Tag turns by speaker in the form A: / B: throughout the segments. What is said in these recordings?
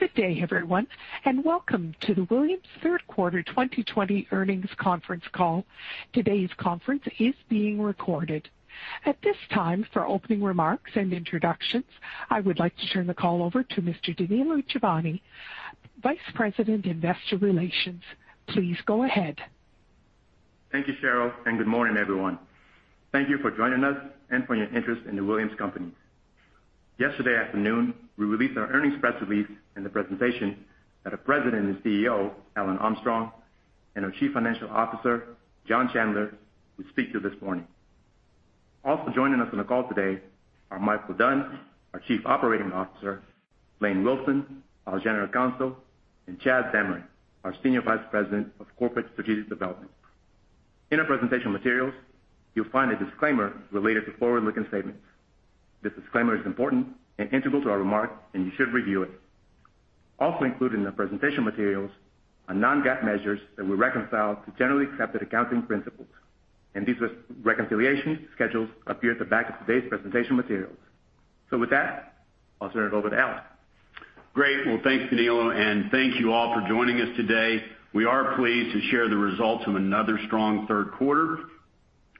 A: Good day, everyone, and welcome to the Williams third quarter 2020 earnings conference call. Today's conference is being recorded. At this time, for opening remarks and introductions, I would like to turn the call over to Mr. Danilo Juvane, Vice President, Investor Relations. Please go ahead.
B: Thank you, Cheryl. Good morning, everyone. Thank you for joining us and for your interest in the Williams company. Yesterday afternoon, we released our earnings press release and the presentation that our President and CEO, Alan Armstrong, and our Chief Financial Officer, John Chandler, will speak to this morning. Also joining us on the call today are Micheal Dunn, our Chief Operating Officer, Lane Wilson, our General Counsel, and Chad Zamarin, our Senior Vice President of Corporate Strategic Development. In our presentation materials, you'll find a disclaimer related to forward-looking statements. This disclaimer is important and integral to our remarks, and you should review it. Also included in the presentation materials are non-GAAP measures that we reconcile to generally accepted accounting principles. These reconciliation schedules appear at the back of today's presentation materials. With that, I'll turn it over to Alan.
C: Great. Well, thanks, Danilo, and thank you all for joining us today. We are pleased to share the results of another strong third quarter.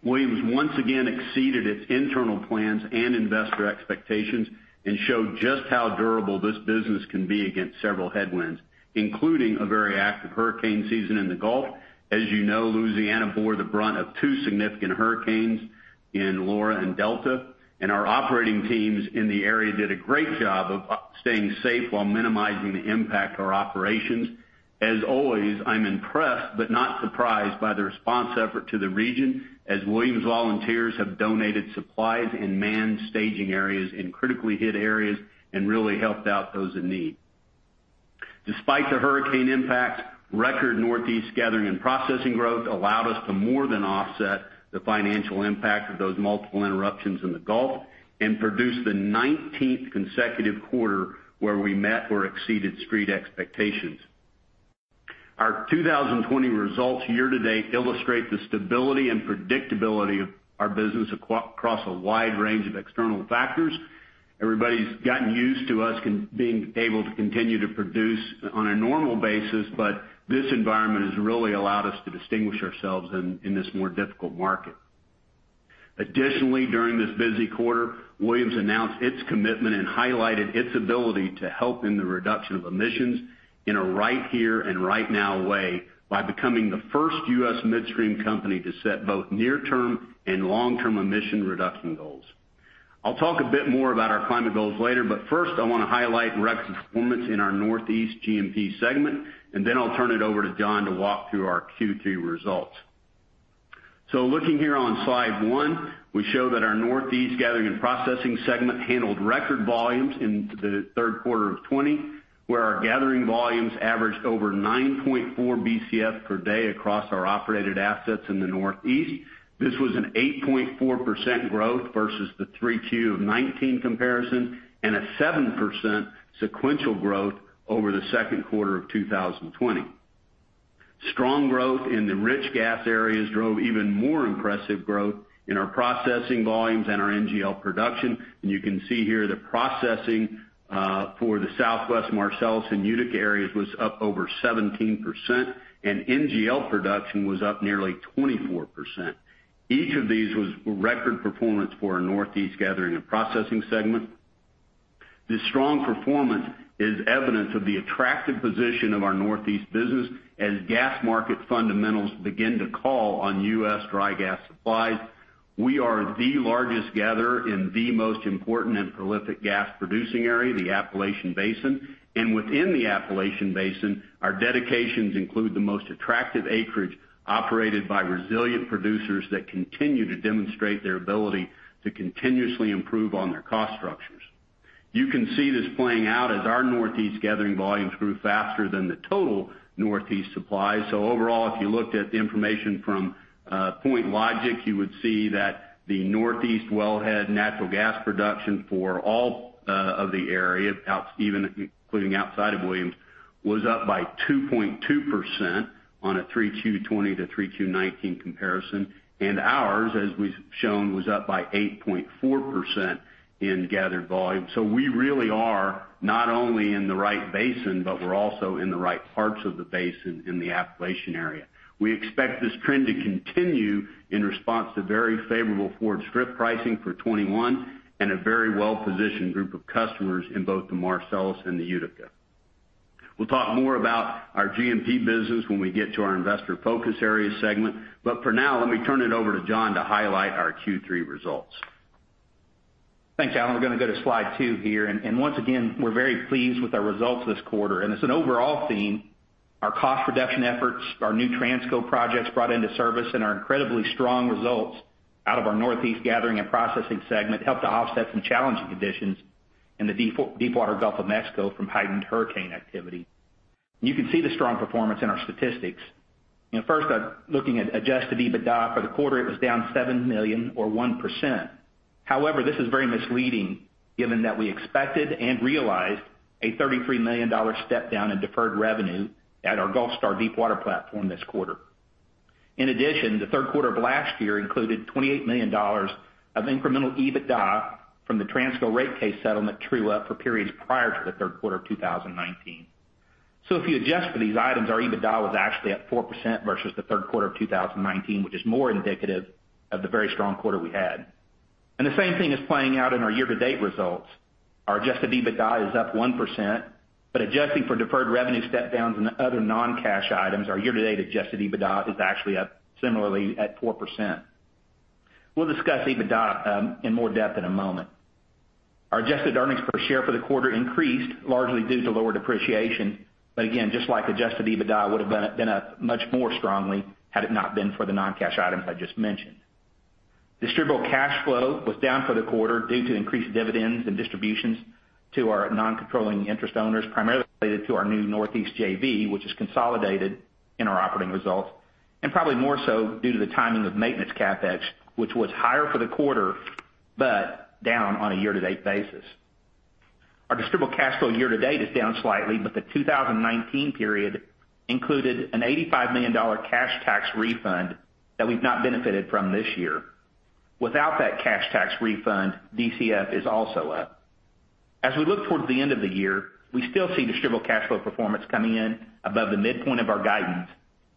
C: Williams once again exceeded its internal plans and investor expectations and showed just how durable this business can be against several headwinds, including a very active hurricane season in the Gulf. As you know, Louisiana bore the brunt of two significant hurricanes in Laura and Delta, and our operating teams in the area did a great job of staying safe while minimizing the impact to our operations. As always, I'm impressed but not surprised by the response effort to the region, as Williams volunteers have donated supplies and manned staging areas in critically hit areas and really helped out those in need. Despite the hurricane impact, record Northeast Gathering & Processing growth allowed us to more than offset the financial impact of those multiple interruptions in the Gulf and produce the 19th consecutive quarter where we met or exceeded street expectations. Our 2020 results year-to-date illustrate the stability and predictability of our business across a wide range of external factors. Everybody's gotten used to us being able to continue to produce on a normal basis, but this environment has really allowed us to distinguish ourselves in this more difficult market. Additionally, during this busy quarter, Williams announced its commitment and highlighted its ability to help in the reduction of emissions in a right here and right now way by becoming the first U.S. midstream company to set both near-term and long-term emission reduction goals. I'll talk a bit more about our climate goals later, but first, I want to highlight record performance in our Northeast G&P segment, and then I'll turn it over to John to walk through our Q3 results. Looking here on slide one, we show that our Northeast Gathering & Processing segment handled record volumes into the third quarter of 2020, where our gathering volumes averaged over 9.4 Bcf per day across our operated assets in the Northeast. This was an 8.4% growth versus the 3Q 2019 comparison and a 7% sequential growth over the second quarter of 2020. Strong growth in the rich gas areas drove even more impressive growth in our processing volumes and our NGL production. You can see here the processing for the Southwest Marcellus and Utica areas was up over 17%, and NGL production was up nearly 24%. Each of these was record performance for our Northeast Gathering & Processing segment. This strong performance is evidence of the attractive position of our Northeast business as gas market fundamentals begin to call on U.S. dry gas supplies. We are the largest gatherer in the most important and prolific gas-producing area, the Appalachian Basin, and within the Appalachian Basin, our dedications include the most attractive acreage operated by resilient producers that continue to demonstrate their ability to continuously improve on their cost structures. You can see this playing out as our Northeast gathering volumes grew faster than the total Northeast supply. Overall, if you looked at the information from PointLogic, you would see that the Northeast wellhead natural gas production for all of the area, even including outside of Williams, was up by 2.2% on a 3Q 2020 to 3Q 2019 comparison. Ours, as we've shown, was up by 8.4% in gathered volume. We really are not only in the right basin, but we're also in the right parts of the basin in the Appalachian area. We expect this trend to continue in response to very favorable forward strip pricing for 2021 and a very well-positioned group of customers in both the Marcellus and the Utica. We'll talk more about our G&P business when we get to our investor focus area segment. For now, let me turn it over to John to highlight our Q3 results.
D: Thanks, Alan. We're going to go to slide two here. Once again, we're very pleased with our results this quarter. As an overall theme, our cost reduction efforts, our new Transco projects brought into service, and our incredibly strong results out of our Northeast Gathering & Processing segment helped to offset some challenging conditions in the deepwater Gulf of Mexico from heightened hurricane activity. You can see the strong performance in our statistics. First, looking at adjusted EBITDA for the quarter, it was down $7 million or 1%. However, this is very misleading given that we expected and realized a $33 million step-down in deferred revenue at our Gulfstar deepwater platform this quarter. In addition, the third quarter of last year included $28 million of incremental EBITDA from the Transco rate case settlement true-up for periods prior to the third quarter of 2019. If you adjust for these items, our EBITDA was actually up 4% versus the third quarter of 2019, which is more indicative of the very strong quarter we had. The same thing is playing out in our year-to-date results. Our adjusted EBITDA is up 1%, but adjusting for deferred revenue step-downs and other non-cash items, our year-to-date adjusted EBITDA is actually up similarly at 4%. We'll discuss EBITDA in more depth in a moment. Our adjusted earnings per share for the quarter increased largely due to lower depreciation, but again, just like adjusted EBITDA, would've been up much more strongly had it not been for the non-cash items I just mentioned. Distributable cash flow was down for the quarter due to increased dividends and distributions to our non-controlling interest owners, primarily related to our new Northeast JV, which is consolidated in our operating results, and probably more so due to the timing of maintenance CapEx, which was higher for the quarter, but down on a year-to-date basis. Our distributable cash flow year-to-date is down slightly, but the 2019 period included an $85 million cash tax refund that we've not benefited from this year. Without that cash tax refund, DCF is also up. As we look towards the end of the year, we still see distributable cash flow performance coming in above the midpoint of our guidance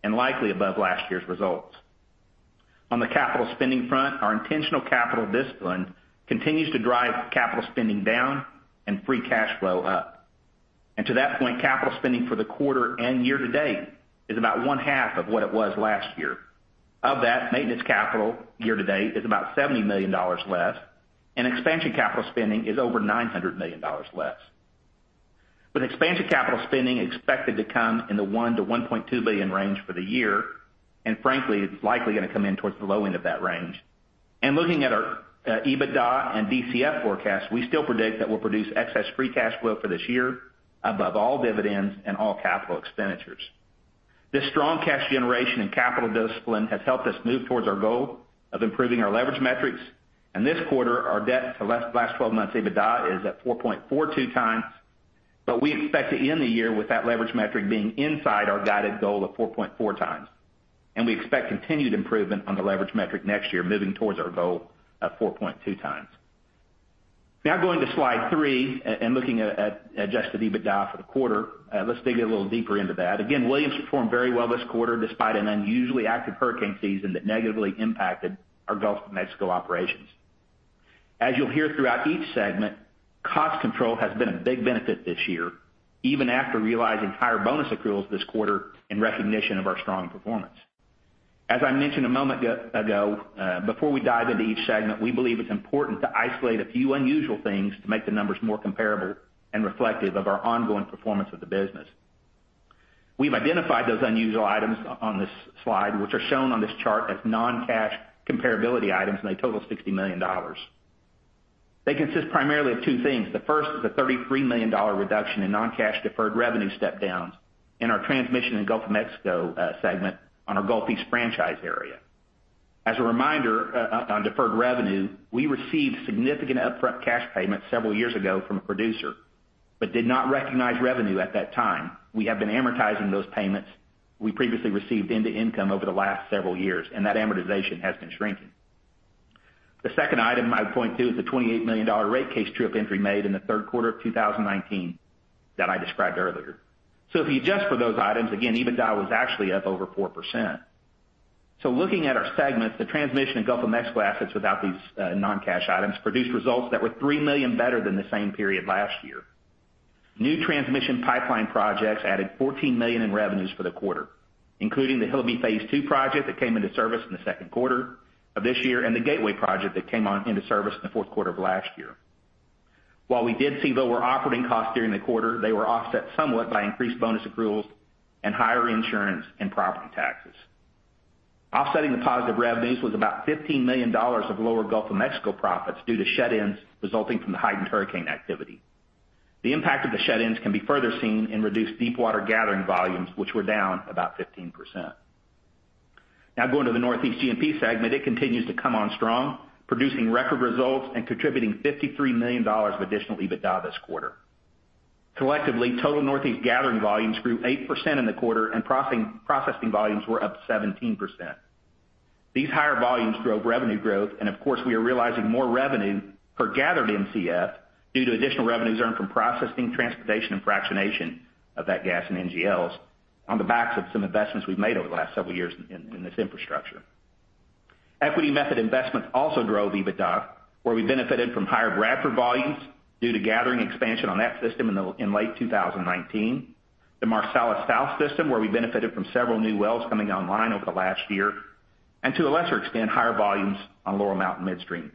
D: and likely above last year's results. On the capital spending front, our intentional capital discipline continues to drive capital spending down and free cash flow up. To that point, capital spending for the quarter and year to date is about one half of what it was last year. Of that, maintenance capital year to date is about $70 million less, and expansion capital spending is over $900 million less. With expansion capital spending expected to come in the $1 billion-$1.2 billion range for the year, and frankly, it's likely going to come in towards the low end of that range. Looking at our EBITDA and DCF forecast, we still predict that we'll produce excess free cash flow for this year above all dividends and all capital expenditures. This strong cash generation and capital discipline has helped us move towards our goal of improving our leverage metrics. This quarter, our debt to last 12 months EBITDA is at 4.42x, but we expect to end the year with that leverage metric being inside our guided goal of 4.4x. We expect continued improvement on the leverage metric next year, moving towards our goal of 4.2x. Now going to slide three and looking at adjusted EBITDA for the quarter. Let's dig a little deeper into that. Again, Williams performed very well this quarter, despite an unusually active hurricane season that negatively impacted our Gulf of Mexico operations. As you'll hear throughout each segment, cost control has been a big benefit this year, even after realizing higher bonus accruals this quarter in recognition of our strong performance. As I mentioned a moment ago, before we dive into each segment, we believe it's important to isolate a few unusual things to make the numbers more comparable and reflective of our ongoing performance of the business. We've identified those unusual items on this slide, which are shown on this chart as non-cash comparability items, and they total $60 million. They consist primarily of two things. The first is a $33 million reduction in non-cash deferred revenue step-downs in our Transmission & Gulf of Mexico segment on our Gulf East franchise area. As a reminder on deferred revenue, we received significant upfront cash payments several years ago from a producer but did not recognize revenue at that time. We have been amortizing those payments we previously received into income over the last several years, and that amortization has been shrinking. The second item I would point to is the $28 million rate case true-up entry made in the third quarter of 2019 that I described earlier. If you adjust for those items, again, EBITDA was actually up over 4%. Looking at our segments, the Transmission & Gulf of Mexico assets without these non-cash items produced results that were $3 million better than the same period last year. New transmission pipeline projects added $14 million in revenues for the quarter, including the Hillabee Phase 2 project that came into service in the second quarter of this year and the Gateway project that came into service in the fourth quarter of last year. While we did see lower operating costs during the quarter, they were offset somewhat by increased bonus accruals and higher insurance and property taxes. Offsetting the positive revenues was about $15 million of lower Gulf of Mexico profits due to shut-ins resulting from the heightened hurricane activity. The impact of the shut-ins can be further seen in reduced deepwater gathering volumes, which were down about 15%. Now going to the Northeast G&P segment. It continues to come on strong, producing record results and contributing $53 million of additional EBITDA this quarter. Collectively, total Northeast gathering volumes grew 8% in the quarter, and processing volumes were up 17%. These higher volumes drove revenue growth, and of course, we are realizing more revenue per gathered Mcf due to additional revenues earned from processing, transportation, and fractionation of that gas and NGLs on the backs of some investments we've made over the last several years in this infrastructure. Equity method investments also drove EBITDA, where we benefited from higher Bradford volumes due to gathering expansion on that system in late 2019. The Marcellus South system, where we benefited from several new wells coming online over the last year, and to a lesser extent, higher volumes on Laurel Mountain Midstream.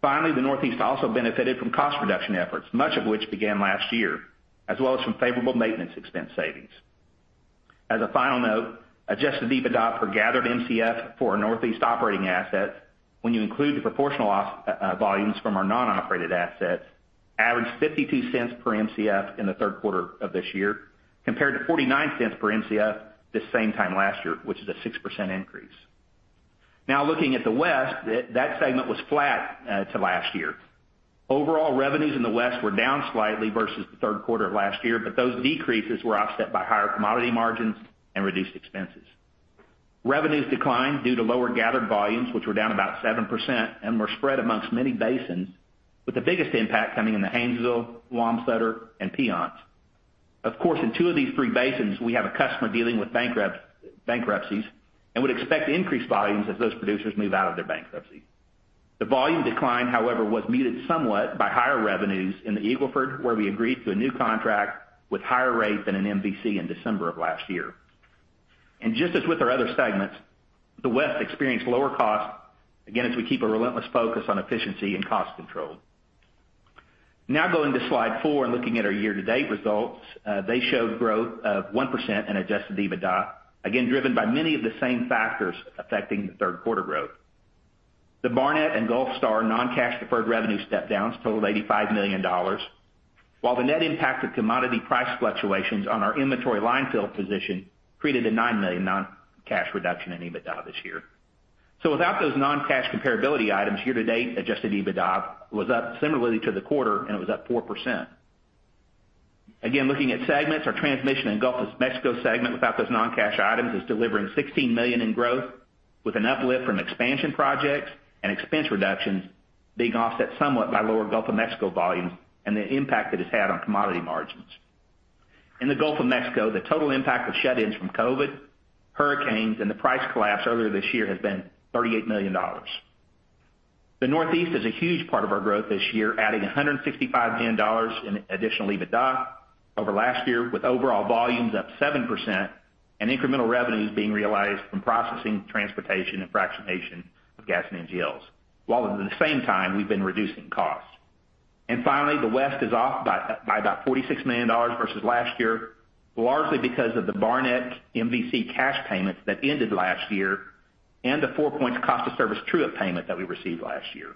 D: Finally, the Northeast also benefited from cost reduction efforts, much of which began last year, as well as some favorable maintenance expense savings. As a final note, adjusted EBITDA for gathered Mcf for our Northeast operating assets, when you include the proportional volumes from our non-operated assets, averaged $0.52 per Mcf in the third quarter of this year, compared to $0.49 per Mcf this same time last year, which is a 6% increase. Now looking at the West, that segment was flat to last year. Overall revenues in the West were down slightly versus the third quarter of last year, but those decreases were offset by higher commodity margins and reduced expenses. Revenues declined due to lower gathered volumes, which were down about 7% and were spread amongst many basins, with the biggest impact coming in the Haynesville, Wamsutter, and Piceance. Of course, in two of these three basins, we have a customer dealing with bankruptcies and would expect increased volumes as those producers move out of their bankruptcy. The volume decline, however, was muted somewhat by higher revenues in the Eagle Ford, where we agreed to a new contract with higher rates than an MVC in December of last year. Just as with our other segments, the West experienced lower costs, again, as we keep a relentless focus on efficiency and cost control. Going to slide four and looking at our year-to-date results. They showed growth of 1% in adjusted EBITDA, again, driven by many of the same factors affecting the third quarter growth. The Barnett and Gulfstar non-cash deferred revenue step-downs totaled $85 million, while the net impact of commodity price fluctuations on our inventory line fill position created a $9 million non-cash reduction in EBITDA this year. Without those non-cash comparability items, year-to-date, adjusted EBITDA was up similarly to the quarter, and it was up 4%. Looking at segments, our Transmission & Gulf of Mexico segment without those non-cash items is delivering $16 million in growth, with an uplift from expansion projects and expense reductions being offset somewhat by lower Gulf of Mexico volumes and the impact that it's had on commodity margins. In the Gulf of Mexico, the total impact of shut-ins from COVID, hurricanes, and the price collapse earlier this year has been $38 million. The Northeast is a huge part of our growth this year, adding $165 million in additional EBITDA over last year, with overall volumes up 7% and incremental revenues being realized from processing, transportation, and fractionation of gas and NGLs, while at the same time we've been reducing costs. Finally, the West is off by about $46 million versus last year, largely because of the Barnett MVC cash payments that ended last year and the Four Corners cost of service true-up payment that we received last year.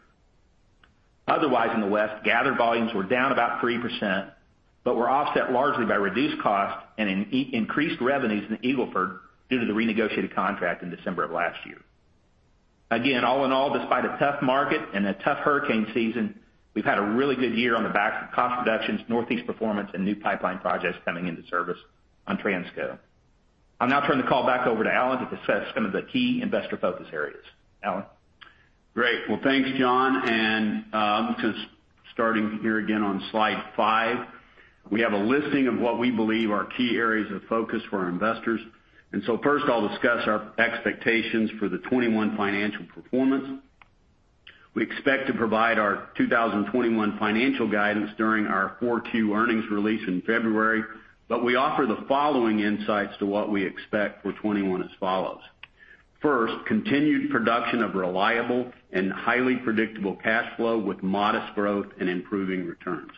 D: Otherwise, in the West, gathered volumes were down about 3%, but were offset largely by reduced costs and increased revenues in the Eagle Ford due to the renegotiated contract in December of last year. All in all, despite a tough market and a tough hurricane season, we've had a really good year on the back of cost reductions, Northeast performance, and new pipeline projects coming into service on Transco. I'll now turn the call back over to Alan to discuss some of the key investor focus areas. Alan?
C: Great. Well, thanks, John, I'm just starting here again on slide five. We have a listing of what we believe are key areas of focus for our investors. First, I'll discuss our expectations for the 2021 financial performance. We expect to provide our 2021 financial guidance during our Q4 earnings release in February, but we offer the following insights to what we expect for 2021 as follows. First, continued production of reliable and highly predictable cash flow with modest growth and improving returns.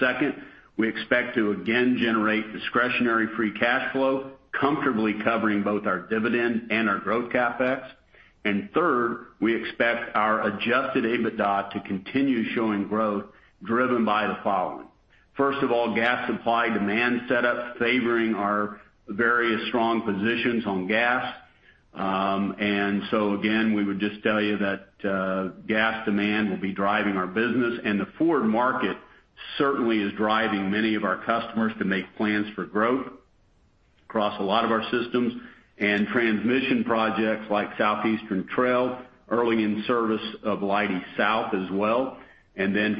C: Second, we expect to again generate discretionary free cash flow, comfortably covering both our dividend and our growth CapEx. Third, we expect our adjusted EBITDA to continue showing growth driven by the following. First of all, gas supply demand setup favoring our various strong positions on gas. Again, we would just tell you that gas demand will be driving our business and the forward market certainly is driving many of our customers to make plans for growth across a lot of our systems and transmission projects like Southeastern Trail, early in service of Leidy South as well.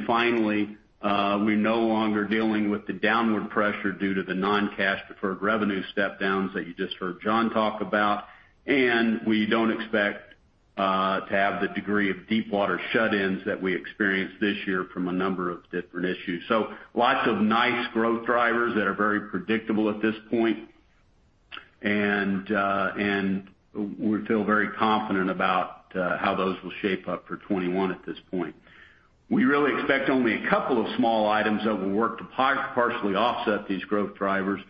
C: Finally, we are no longer dealing with the downward pressure due to the non-cash deferred revenue step downs that you just heard John talk about. We do not expect to have the degree of deep water shut-ins that we experienced this year from a number of different issues. Lots of nice growth drivers that are very predictable at this point. We feel very confident about how those will shape up for 2021 at this point. We really expect only a couple of small items that will work to partially offset these growth drivers.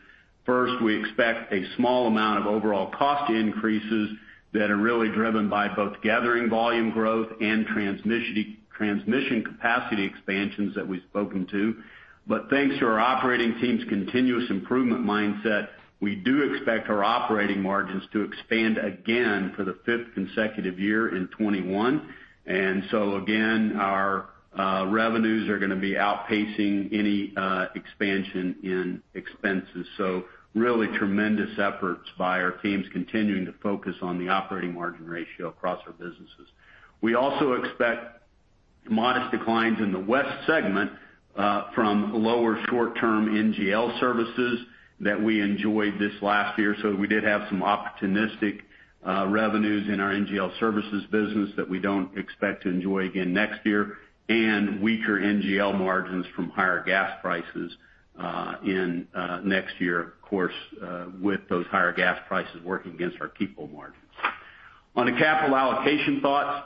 C: First, we expect a small amount of overall cost increases that are really driven by both gathering volume growth and transmission capacity expansions that we've spoken to. Thanks to our operating team's continuous improvement mindset, we do expect our operating margins to expand again for the fifth consecutive year in 2021. Again, our revenues are going to be outpacing any expansion in expenses. Really tremendous efforts by our teams continuing to focus on the operating margin ratio across our businesses. We also expect modest declines in the West segment from lower short-term NGL services that we enjoyed this last year. We did have some opportunistic revenues in our NGL services business that we don't expect to enjoy again next year, and weaker NGL margins from higher gas prices in next year, of course, with those higher gas prices working against our NGL margins. On to capital allocation thoughts.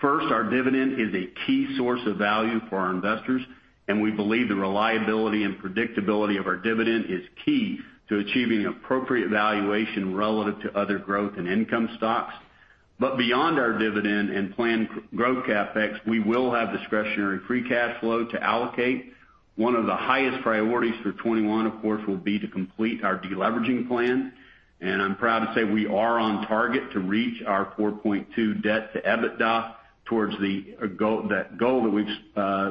C: First, our dividend is a key source of value for our investors, and we believe the reliability and predictability of our dividend is key to achieving appropriate valuation relative to other growth and income stocks. Beyond our dividend and planned growth CapEx, we will have discretionary free cash flow to allocate. One of the highest priorities for 2021, of course, will be to complete our de-leveraging plan. I'm proud to say we are on target to reach our 4.2x debt to EBITDA towards that goal that we've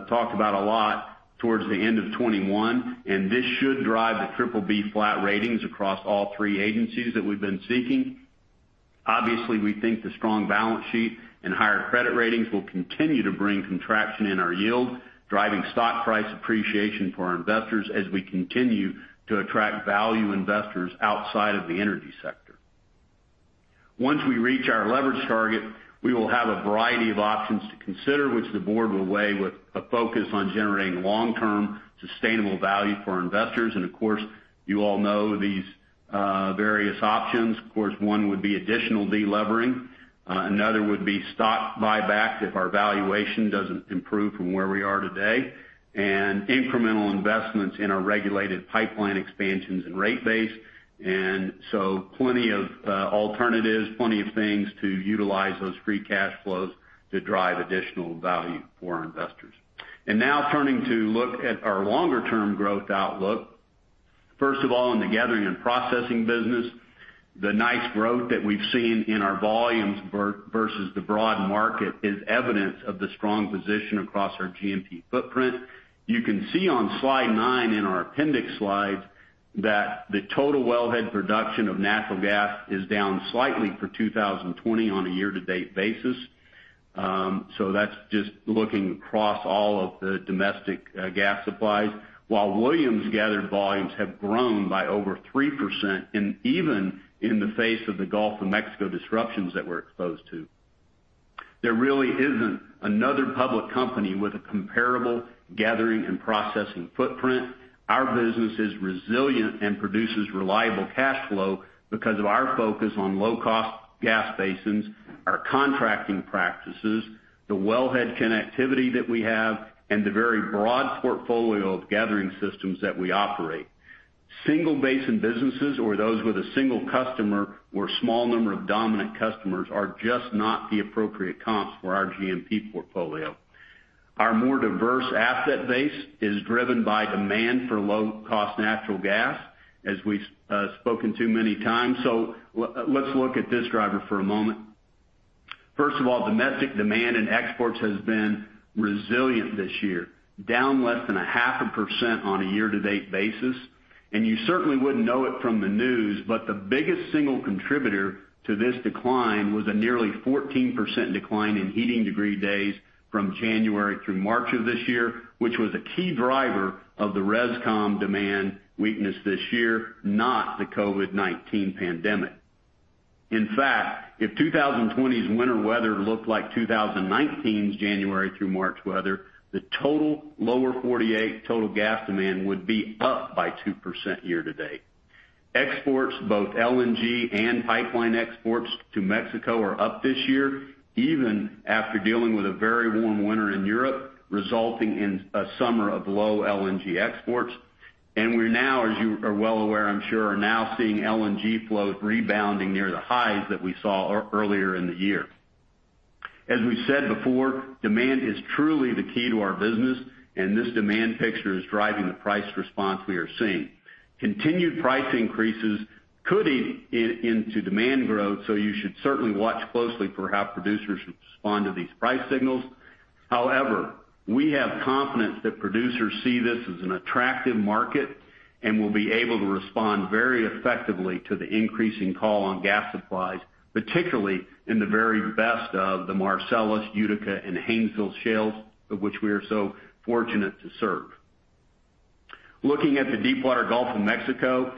C: talked about a lot towards the end of 2021. This should drive the BBB flat ratings across all three agencies that we've been seeking. Obviously, we think the strong balance sheet and higher credit ratings will continue to bring contraction in our yield, driving stock price appreciation for our investors as we continue to attract value investors outside of the energy sector. Once we reach our leverage target, we will have a variety of options to consider, which the board will weigh with a focus on generating long-term sustainable value for our investors. Of course, you all know these various options. Of course, one would be additional de-levering. Another would be stock buyback if our valuation doesn't improve from where we are today. Incremental investments in our regulated pipeline expansions and rate base. Plenty of alternatives, plenty of things to utilize those free cash flows to drive additional value for our investors. Now turning to look at our longer-term growth outlook. First of all, in the Gathering & Processing business, the nice growth that we've seen in our volumes versus the broad market is evidence of the strong position across our G&P footprint. You can see on slide nine in our appendix slides that the total wellhead production of natural gas is down slightly for 2020 on a year-to-date basis. That's just looking across all of the domestic gas supplies. While Williams gathered volumes have grown by over 3% and even in the face of the Gulf of Mexico disruptions that we're exposed to. There really isn't another public company with a comparable Gathering & Processing footprint. Our business is resilient and produces reliable cash flow because of our focus on low-cost gas basins, our contracting practices, the wellhead connectivity that we have, and the very broad portfolio of gathering systems that we operate. Single basin businesses or those with a single customer or a small number of dominant customers are just not the appropriate comps for our G&P portfolio. Our more diverse asset base is driven by demand for low-cost natural gas, as we've spoken to many times. Let's look at this driver for a moment. First of all, domestic demand and exports has been resilient this year, down less than 0.5% on a year-to-date basis. You certainly wouldn't know it from the news, but the biggest single contributor to this decline was a nearly 14% decline in heating degree days from January through March of this year, which was a key driver of the res/com demand weakness this year, not the COVID-19 pandemic. In fact, if 2020's winter weather looked like 2019's January through March weather, the total lower 48 total gas demand would be up by 2% year-to-date. Exports, both LNG and pipeline exports to Mexico are up this year, even after dealing with a very warm winter in Europe, resulting in a summer of low LNG exports. We're now, as you are well aware, I'm sure, are now seeing LNG flows rebounding near the highs that we saw earlier in the year. As we've said before, demand is truly the key to our business, and this demand picture is driving the price response we are seeing. Continued price increases could eat into demand growth, so you should certainly watch closely for how producers should respond to these price signals. However, we have confidence that producers see this as an attractive market and will be able to respond very effectively to the increasing call on gas supplies, particularly in the very best of the Marcellus, Utica, and Haynesville shales, of which we are so fortunate to serve. Looking at the deepwater Gulf of Mexico,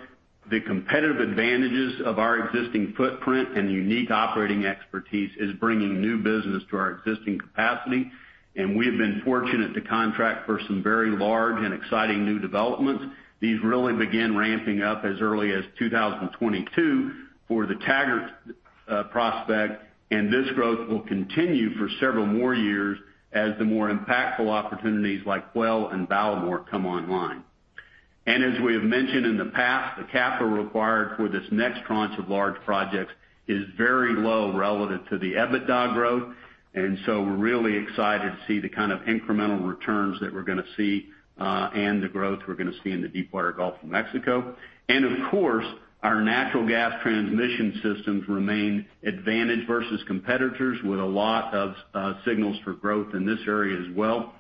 C: the competitive advantages of our existing footprint and unique operating expertise is bringing new business to our existing capacity, we have been fortunate to contract for some very large and exciting new developments. These really begin ramping up as early as 2022 for the Taggart prospect, this growth will continue for several more years as the more impactful opportunities like Whale and Ballymore come online. As we have mentioned in the past, the capital required for this next tranche of large projects is very low relative to the EBITDA growth. We're really excited to see the kind of incremental returns that we're going to see, and the growth we're going to see in the deepwater Gulf of Mexico. Of course, our natural gas transmission systems remain advantaged versus competitors with a lot of signals for growth in this area as well.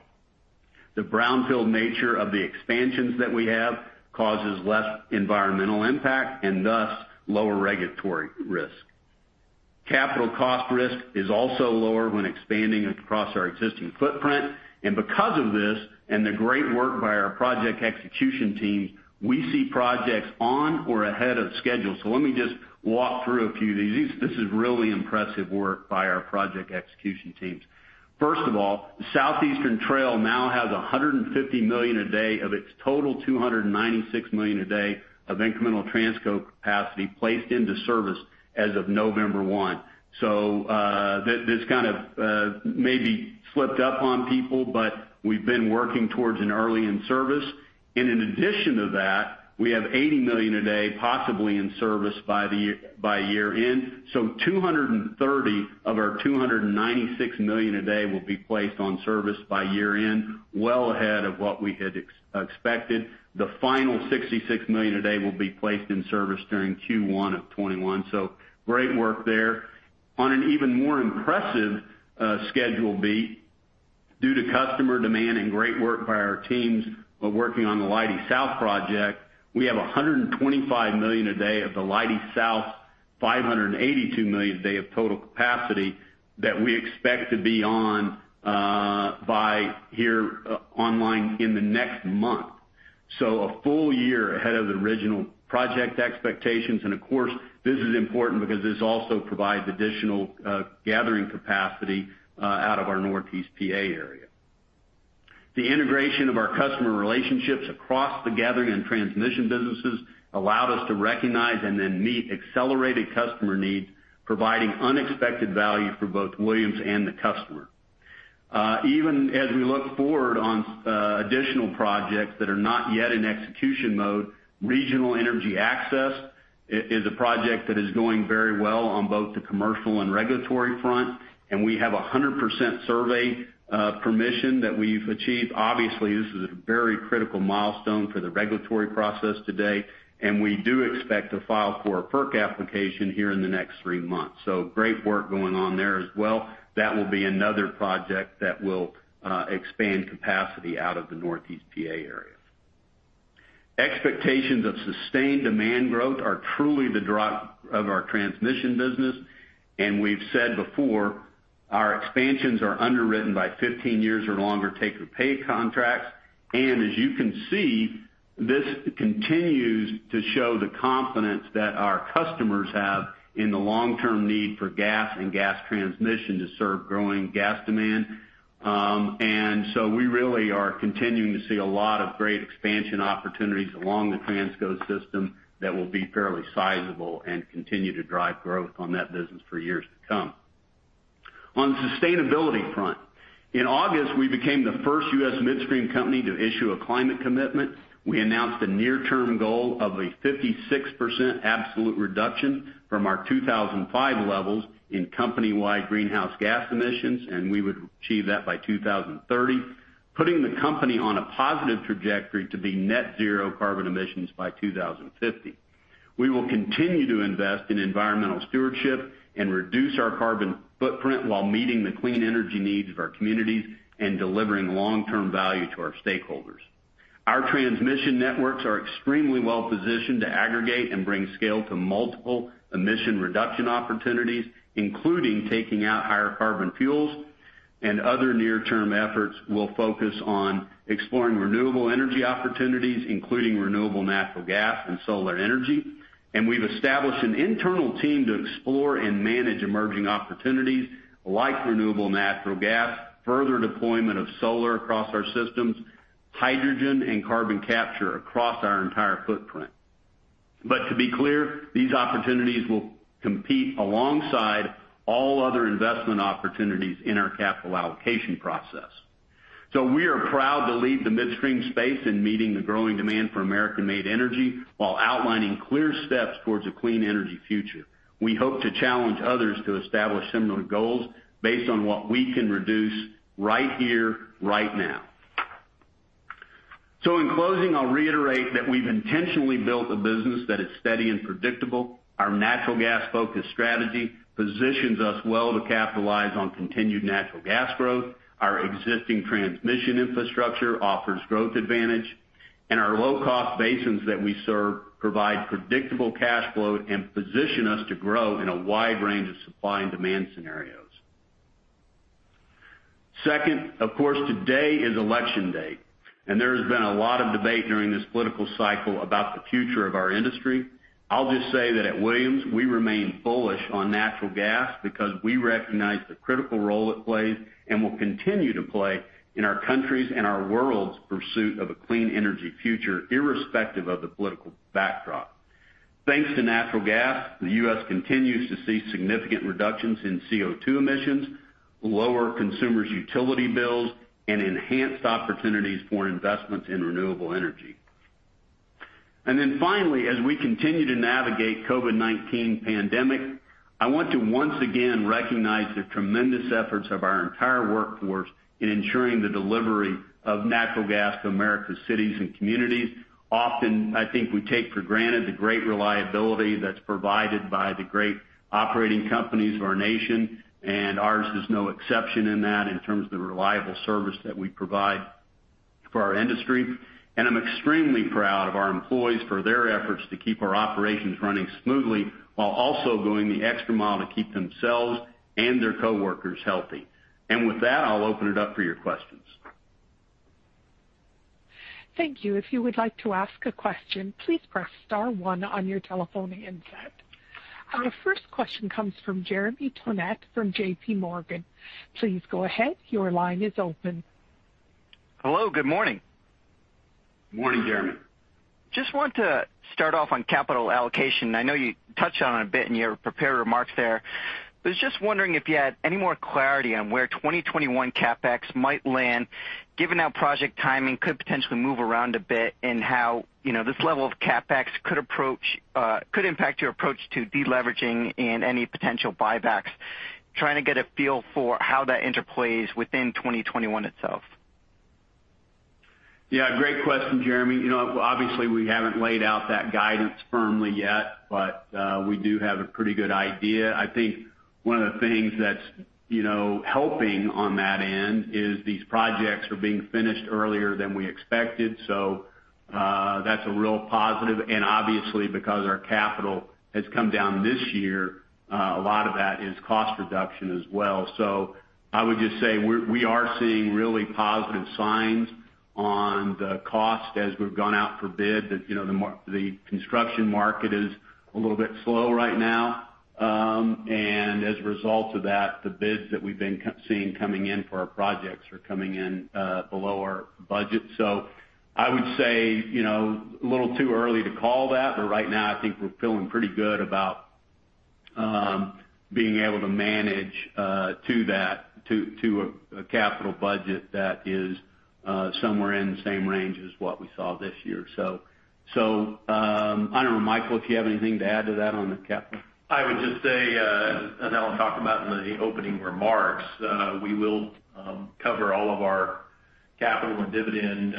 C: The brownfield nature of the expansions that we have causes less environmental impact and thus lower regulatory risk. Capital cost risk is also lower when expanding across our existing footprint. Because of this, and the great work by our project execution teams, we see projects on or ahead of schedule. Let me just walk through a few of these. This is really impressive work by our project execution teams. First of all, the Southeastern Trail now has 150 million a day of its total 296 million a day of incremental Transco capacity placed into service as of November 1. This kind of maybe slipped up on people, but we've been working towards an early in-service. In addition to that, we have 80 million a day possibly in service by year-end. 230 of our 296 million a day will be placed in service by year-end, well ahead of what we had expected. The final 66 million a day will be placed in service during Q1 of 2021. Great work there. On an even more impressive schedule beat, due to customer demand and great work by our teams working on the Leidy South project, we have 125 million a day of the Leidy South 582 million a day of total capacity that we expect to be online in the next month. A full year ahead of the original project expectations and, of course, this is important because this also provides additional gathering capacity out of our Northeast PA area. The integration of our customer relationships across the Gathering & Transmission businesses allowed us to recognize and then meet accelerated customer needs, providing unexpected value for both Williams and the customer. As we look forward on additional projects that are not yet in execution mode, Regional Energy Access is a project that is going very well on both the commercial and regulatory front, and we have 100% survey permission that we've achieved. Obviously, this is a very critical milestone for the regulatory process today, and we do expect to file for a FERC application here in the next three months. Great work going on there as well. That will be another project that will expand capacity out of the Northeast PA area. Expectations of sustained demand growth are truly the drive of our transmission business. We've said before, our expansions are underwritten by 15 years or longer take-or-pay contracts. As you can see, this continues to show the confidence that our customers have in the long-term need for gas and gas transmission to serve growing gas demand. We really are continuing to see a lot of great expansion opportunities along the Transco system that will be fairly sizable and continue to drive growth on that business for years to come. On sustainability front, in August, we became the first U.S. midstream company to issue a climate commitment. We announced a near-term goal of a 56% absolute reduction from our 2005 levels in company-wide greenhouse gas emissions. We would achieve that by 2030, putting the company on a positive trajectory to be net zero carbon emissions by 2050. We will continue to invest in environmental stewardship and reduce our carbon footprint while meeting the clean energy needs of our communities and delivering long-term value to our stakeholders. Our transmission networks are extremely well-positioned to aggregate and bring scale to multiple emission reduction opportunities, including taking out higher carbon fuels. Other near-term efforts will focus on exploring renewable energy opportunities, including renewable natural gas and solar energy. We've established an internal team to explore and manage emerging opportunities like renewable natural gas, further deployment of solar across our systems, hydrogen and carbon capture across our entire footprint. To be clear, these opportunities will compete alongside all other investment opportunities in our capital allocation process. We are proud to lead the midstream space in meeting the growing demand for American-made energy while outlining clear steps towards a clean energy future. We hope to challenge others to establish similar goals based on what we can reduce right here, right now. In closing, I'll reiterate that we've intentionally built a business that is steady and predictable. Our natural gas-focused strategy positions us well to capitalize on continued natural gas growth. Our existing transmission infrastructure offers growth advantage, and our low-cost basins that we serve provide predictable cash flow and position us to grow in a wide range of supply and demand scenarios. Second, of course, today is election day, and there has been a lot of debate during this political cycle about the future of our industry. I'll just say that at Williams, we remain bullish on natural gas because we recognize the critical role it plays and will continue to play in our country's and our world's pursuit of a clean energy future, irrespective of the political backdrop. Thanks to natural gas, the U.S. continues to see significant reductions in CO2 emissions, lower consumers' utility bills, and enhanced opportunities for investments in renewable energy. Finally, as we continue to navigate COVID-19 pandemic, I want to once again recognize the tremendous efforts of our entire workforce in ensuring the delivery of natural gas to America's cities and communities. Often, I think we take for granted the great reliability that's provided by the great operating companies of our nation, and ours is no exception in that in terms of the reliable service that we provide for our industry. I'm extremely proud of our employees for their efforts to keep our operations running smoothly while also going the extra mile to keep themselves and their coworkers healthy. With that, I'll open it up for your questions.
A: Thank you. Our first question comes from Jeremy Tonet from JPMorgan. Please go ahead. Your line is open.
E: Hello. Good morning.
C: Morning, Jeremy.
E: Just want to start off on capital allocation. I know you touched on it a bit in your prepared remarks there. Was just wondering if you had any more clarity on where 2021 CapEx might land, given how project timing could potentially move around a bit, and how this level of CapEx could impact your approach to deleveraging and any potential buybacks. Trying to get a feel for how that interplays within 2021 itself.
C: Yeah, great question, Jeremy. Obviously, we haven't laid out that guidance firmly yet, but we do have a pretty good idea. I think one of the things that's helping on that end is these projects are being finished earlier than we expected. That's a real positive. Obviously because our capital has come down this year, a lot of that is cost reduction as well. I would just say we are seeing really positive signs on the cost as we've gone out for bid. The construction market is a little bit slow right now. As a result of that, the bids that we've been seeing coming in for our projects are coming in below our budget. I would say, a little too early to call that, but right now I think we're feeling pretty good about being able to manage to a capital budget that is somewhere in the same range as what we saw this year. I don't know, Micheal, if you have anything to add to that on the capital.
F: I would just say, as Alan talked about in the opening remarks, we will cover all of our capital and dividend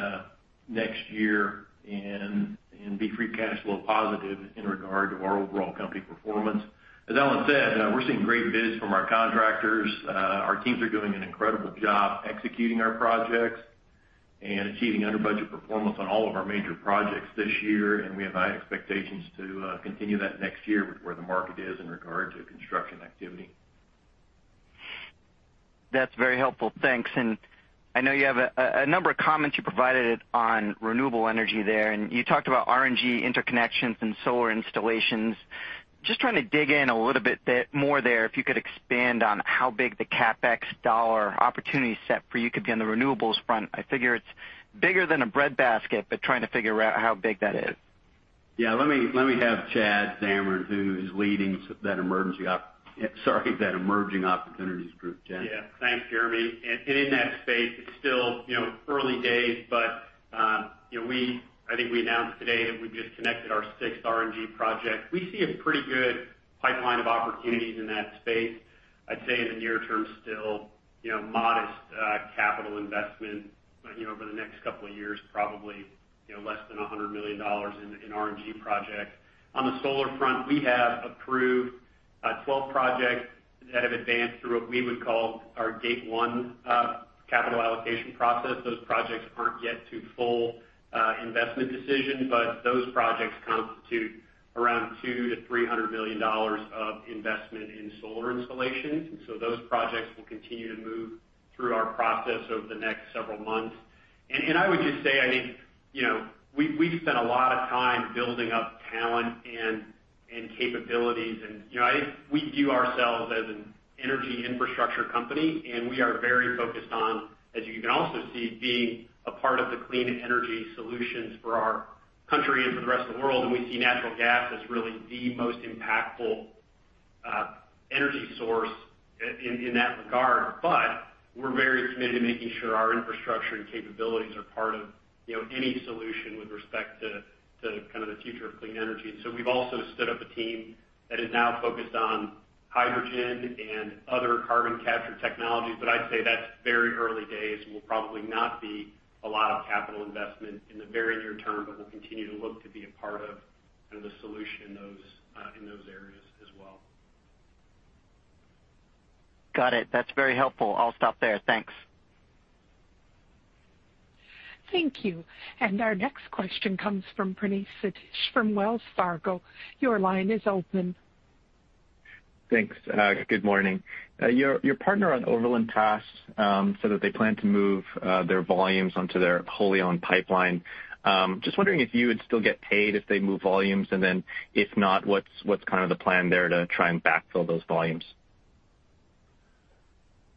F: next year and be free cash flow positive in regard to our overall company performance. As Alan said, we're seeing great bids from our contractors. Our teams are doing an incredible job executing our projects and achieving under budget performance on all of our major projects this year, we have high expectations to continue that next year with where the market is in regard to construction activity.
E: That's very helpful. Thanks. I know you have a number of comments you provided on renewable energy there, and you talked about RNG interconnections and solar installations. Just trying to dig in a little bit more there, if you could expand on how big the CapEx dollar opportunity set for you could be on the renewables front. I figure it's bigger than a breadbasket, but trying to figure out how big that is.
C: Yeah. Let me have Chad Zamarin, who's leading that Emerging Opportunities Group. Chad?
G: Yeah. Thanks, Jeremy. In that space, it's still early days, but I think we announced today that we've just connected our sixth RNG project. We see a pretty good pipeline of opportunities in that space. I'd say in the near term, still modest capital investment. Over the next couple of years, probably less than $100 million in RNG projects. On the solar front, we have approved 12 projects that have advanced through what we would call our Gate 1 capital allocation process. Those projects aren't yet to full investment decision, but those projects constitute around $200 million-$300 million of investment in solar installations. Those projects will continue to move through our process over the next several months. I would just say, I think we've spent a lot of time building up talent and capabilities. I think we view ourselves as an energy infrastructure company, and we are very focused on, as you can also see, being a part of the clean energy solutions for our country and for the rest of the world. We see natural gas as really the most impactful energy source in that regard. We're very committed to making sure our infrastructure and capabilities are part of any solution with respect to kind of the future of clean energy. We've also stood up a team that is now focused on hydrogen and other carbon capture technologies. I'd say that's very early days, and will probably not be a lot of capital investment in the very near term, but we'll continue to look to be a part of the solution in those areas as well.
E: Got it. That's very helpful. I'll stop there. Thanks.
A: Thank you. Our next question comes from Praneeth Satish from Wells Fargo. Your line is open.
H: Thanks. Good morning. Your partner on Overland Pass said that they plan to move their volumes onto their wholly-owned pipeline. Just wondering if you would still get paid if they move volumes, and then if not, what's kind of the plan there to try and backfill those volumes?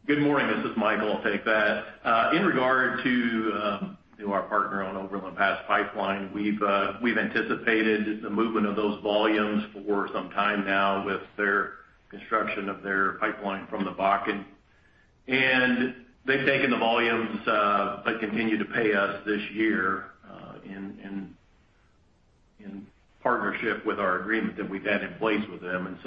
F: Good morning. This is Micheal. I'll take that. In regard to our partner on Overland Pass Pipeline, we've anticipated the movement of those volumes for some time now with their construction of their pipeline from the Bakken. They've taken the volumes but continue to pay us this year in partnership with our agreement that we've had in place with them.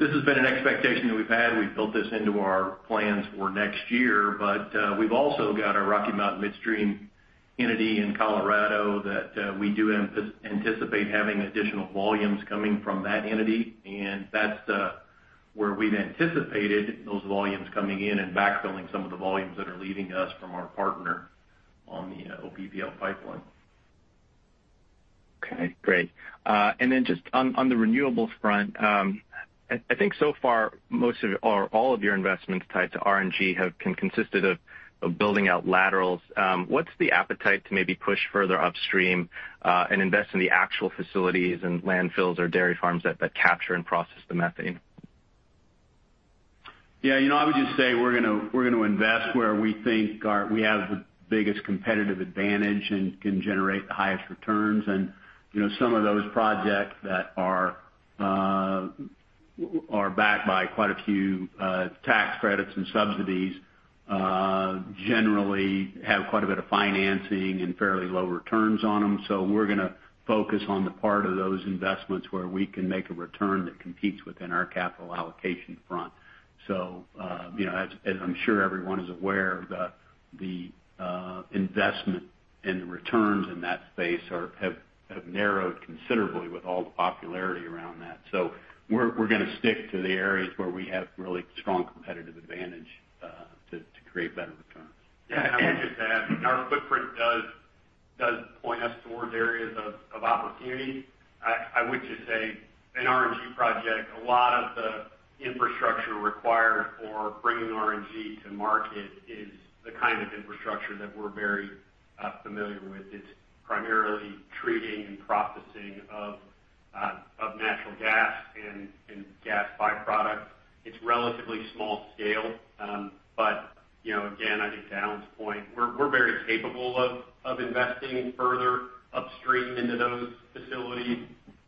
F: This has been an expectation that we've had. We've built this into our plans for next year. We've also got our Rocky Mountain Midstream entity in Colorado that we do anticipate having additional volumes coming from that entity, and that's where we've anticipated those volumes coming in and backfilling some of the volumes that are leaving us from our partner on the OPPL pipeline.
H: Okay, great. Just on the renewables front, I think so far most of, or all of your investments tied to RNG have consisted of building out laterals. What's the appetite to maybe push further upstream, and invest in the actual facilities and landfills or dairy farms that capture and process the methane?
C: Yeah. I would just say we're going to invest where we think we have the biggest competitive advantage and can generate the highest returns. Some of those projects that are backed by quite a few tax credits and subsidies generally have quite a bit of financing and fairly low returns on them. We're going to focus on the part of those investments where we can make a return that competes within our capital allocation front. As I'm sure everyone is aware, the investment and the returns in that space have narrowed considerably with all the popularity around that. We're going to stick to the areas where we have really strong competitive advantage to create better returns.
G: Yeah. I would just add, our footprint does point us towards areas of opportunity. I would just say an RNG project, a lot of the infrastructure required for bringing RNG to market is the kind of infrastructure that we're very familiar with. It's primarily treating and processing of natural gas and gas byproducts. It's relatively small scale. Again, I think to Alan's point, we're very capable of investing further upstream into those facilities,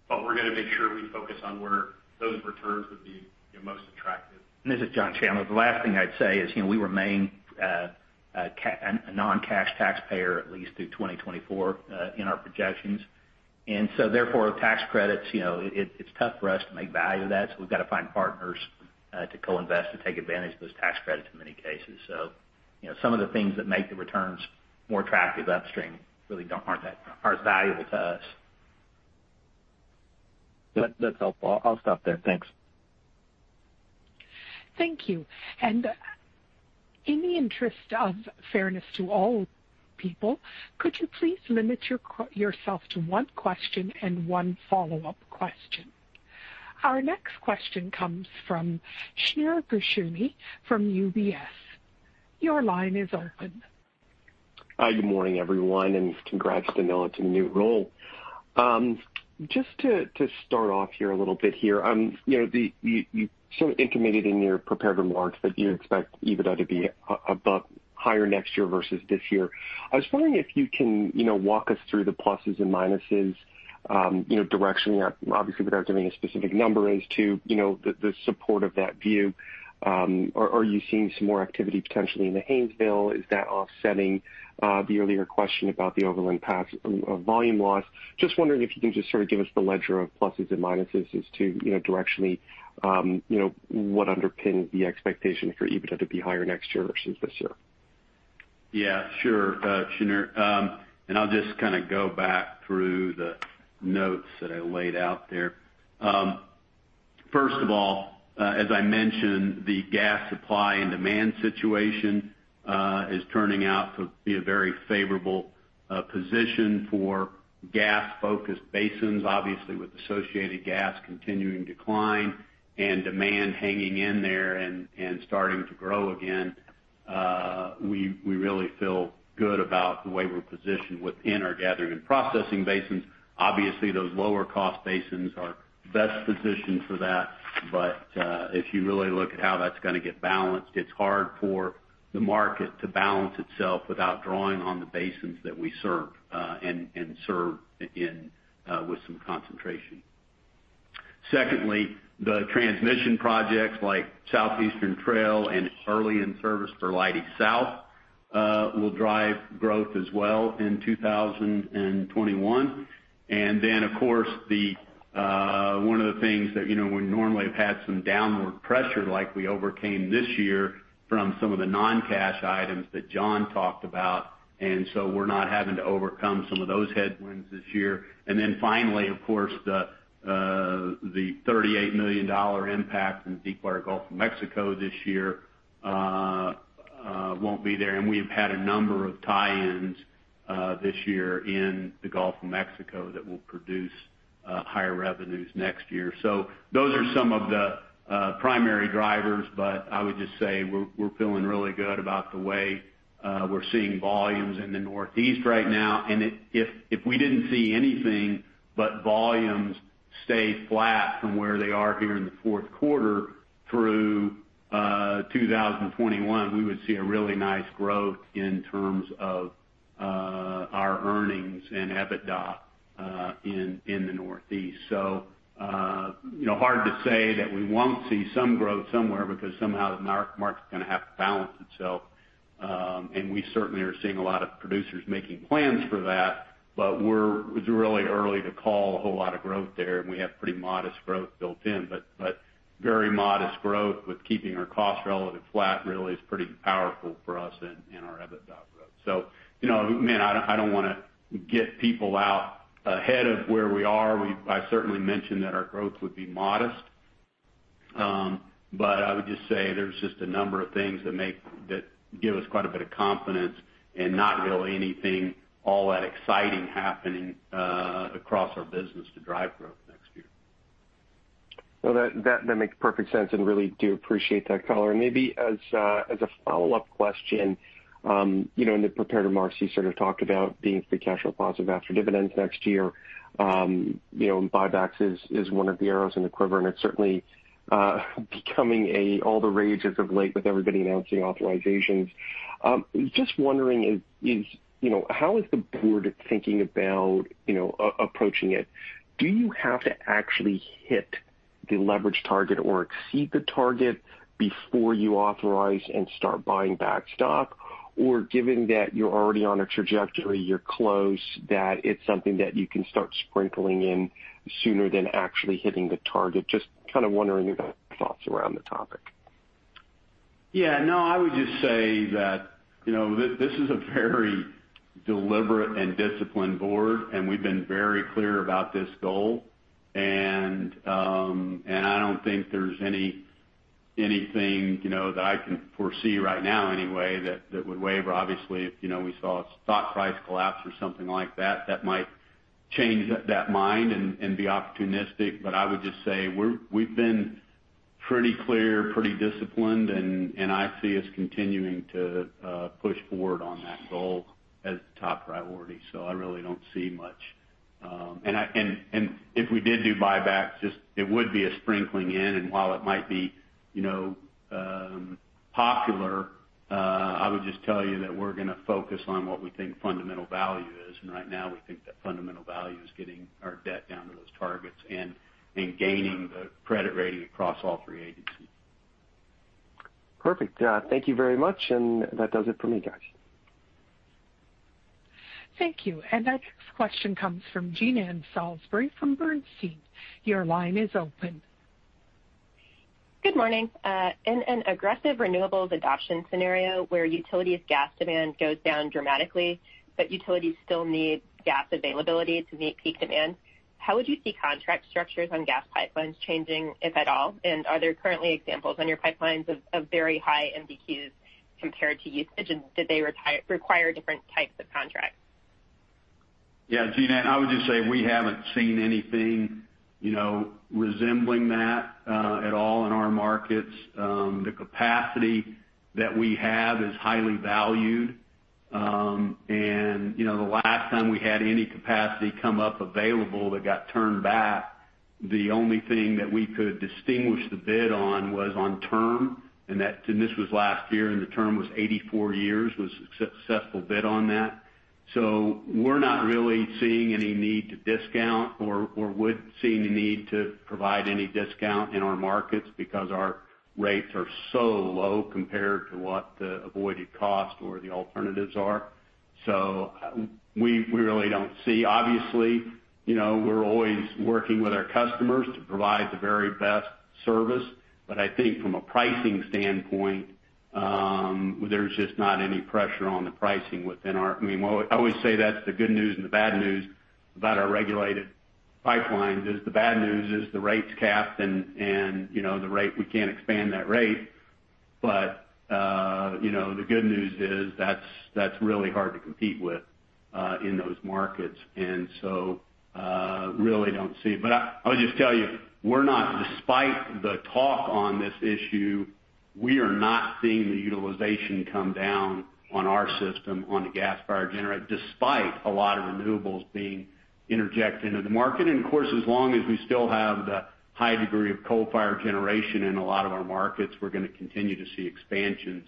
G: but we're going to make sure we focus on where those returns would be most attractive.
D: This is John Chandler. The last thing I'd say is, we remain a non-cash taxpayer at least through 2024, in our projections. Therefore, tax credits, it's tough for us to make value of that, so we've got to find partners to co-invest to take advantage of those tax credits in many cases. Some of the things that make the returns more attractive upstream really aren't as valuable to us.
H: That's helpful. I'll stop there. Thanks.
A: Thank you. In the interest of fairness to all people, could you please limit yourself to one question and one follow-up question? Our next question comes from Shneur Gershuni from UBS. Your line is open.
I: Hi, good morning, everyone, and congrats, Danilo, to the new role. Just to start off here a little bit here. You sort of indicated in your prepared remarks that you expect EBITDA to be above higher next year versus this year. I was wondering if you can walk us through the pluses and minuses directionally, obviously, without giving a specific number as to the support of that view. Are you seeing some more activity potentially in the Haynesville? Is that offsetting the earlier question about the Overland Pass volume loss? Just wondering if you can just sort of give us the ledger of pluses and minuses as to directionally what underpins the expectation for EBITDA to be higher next year versus this year.
C: Yeah, sure, Shneur. I'll just kind of go back through the notes that I laid out there. First of all, as I mentioned, the gas supply and demand situation is turning out to be a very favorable position for gas-focused basins. Obviously, with associated gas continuing to decline and demand hanging in there and starting to grow again, we really feel good about the way we're positioned within our gathering and processing basins. Obviously, those lower cost basins are best positioned for that. If you really look at how that's going to get balanced, it's hard for the market to balance itself without drawing on the basins that we serve and serve in with some concentration. Secondly, the transmission projects like Southeastern Trail and early in service for Leidy South will drive growth as well in 2021. Of course, one of the things that we normally have had some downward pressure like we overcame this year from some of the non-cash items that John talked about. We're not having to overcome some of those headwinds this year. Finally, of course, the $38 million impact in Deepwater Gulf of Mexico this year won't be there. We've had a number of tie-ins this year in the Gulf of Mexico that will produce higher revenues next year. Those are some of the primary drivers, but I would just say we're feeling really good about the way we're seeing volumes in the Northeast right now. If we didn't see anything but volumes stay flat from where they are here in the fourth quarter through 2021, we would see a really nice growth in terms of our earnings and EBITDA in the Northeast. Hard to say that we won't see some growth somewhere because somehow the market's going to have to balance itself. We certainly are seeing a lot of producers making plans for that, but it's really early to call a whole lot of growth there. We have pretty modest growth built in. Very modest growth with keeping our costs relatively flat really is pretty powerful for us in our EBITDA growth. Man, I don't want to get people out ahead of where we are. I certainly mentioned that our growth would be modest. I would just say there's just a number of things that give us quite a bit of confidence and not really anything all that exciting happening across our business to drive growth next year.
I: Well, that makes perfect sense, and really do appreciate that color. Maybe as a follow-up question, in the prepared remarks, you sort of talked about being free cash flow positive after dividends next year. Buybacks is one of the arrows in the quiver, and it's certainly becoming all the rage as of late with everybody announcing authorizations. Just wondering how is the board thinking about approaching it? Do you have to actually hit the leverage target or exceed the target before you authorize and start buying back stock? Given that you're already on a trajectory, you're close, that it's something that you can start sprinkling in sooner than actually hitting the target? Just kind of wondering your thoughts around the topic.
C: Yeah. No, I would just say that this is a very deliberate and disciplined board, and we've been very clear about this goal. I don't think there's anything that I can foresee right now anyway, that would waver. Obviously, if we saw a stock price collapse or something like that might change that mind and be opportunistic. I would just say we've been pretty clear, pretty disciplined, and I see us continuing to push forward on that goal as the top priority. I really don't see much. If we did do buybacks, it would be a sprinkling in, and while it might be popular, I would just tell you that we're going to focus on what we think fundamental value is. Right now, we think that fundamental value is getting our debt down to those targets and gaining the credit rating across all three agencies.
I: Perfect. Thank you very much. That does it for me, guys.
A: Thank you. Our next question comes from Jean Ann Salisbury from Bernstein. Your line is open.
J: Good morning. In an aggressive renewables adoption scenario where utilities gas demand goes down dramatically, but utilities still need gas availability to meet peak demand, how would you see contract structures on gas pipelines changing, if at all? Are there currently examples on your pipelines of very high MDQs compared to usage? Did they require different types of contracts?
C: Yeah, Jean Ann, I would just say we haven't seen anything resembling that at all in our markets. The capacity that we have is highly valued. The last time we had any capacity come up available that got turned back, the only thing that we could distinguish the bid on was on term, and this was last year, and the term was 84 years, was a successful bid on that. We're not really seeing any need to discount or would see any need to provide any discount in our markets because our rates are so low compared to what the avoided cost or the alternatives are. We really don't see. Obviously, we're always working with our customers to provide the very best service. I think from a pricing standpoint, there's just not any pressure on the pricing. I always say that's the good news and the bad news about our regulated pipelines is the bad news is the rate's capped and we can't expand that rate. The good news is that's really hard to compete with in those markets. I'll just tell you, despite the talk on this issue, we are not seeing the utilization come down on our system on the gas-fired generation, despite a lot of renewables being interjected into the market. As long as we still have the high degree of coal-fired generation in a lot of our markets, we're going to continue to see expansions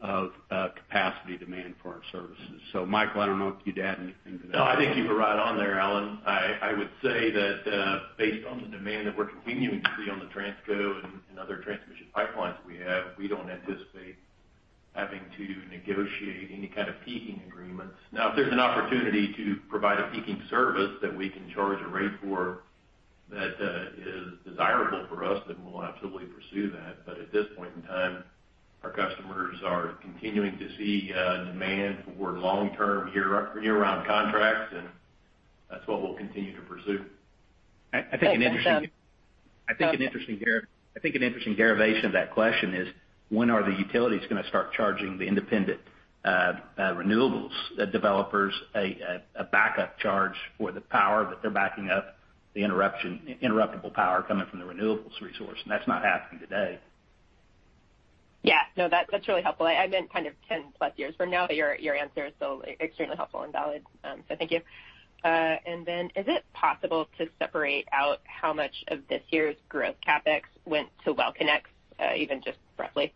C: of capacity demand for our services. Micheal, I don't know if you'd add anything to that.
F: No, I think you were right on there, Alan. I would say that based on the demand that we're continuing to see on the Transco and other transmission pipelines we have, we don't anticipate having to negotiate any kind of peaking agreements. Now, if there's an opportunity to provide a peaking service that we can charge a rate for that is desirable for us, then we'll absolutely pursue that. At this point in time, our customers are continuing to see demand for long-term year-round contracts, and that's what we'll continue to pursue.
D: I think an interesting derivation of that question is, when are the utilities going to start charging the independent renewables developers a backup charge for the power that they're backing up the interruptible power coming from the renewables resource? That's not happening today.
J: Yeah. No, that's really helpful. I meant kind of 10+ years from now, but your answer is still extremely helpful and valid. Thank you. Is it possible to separate out how much of this year's growth CapEx went to well connects, even just roughly?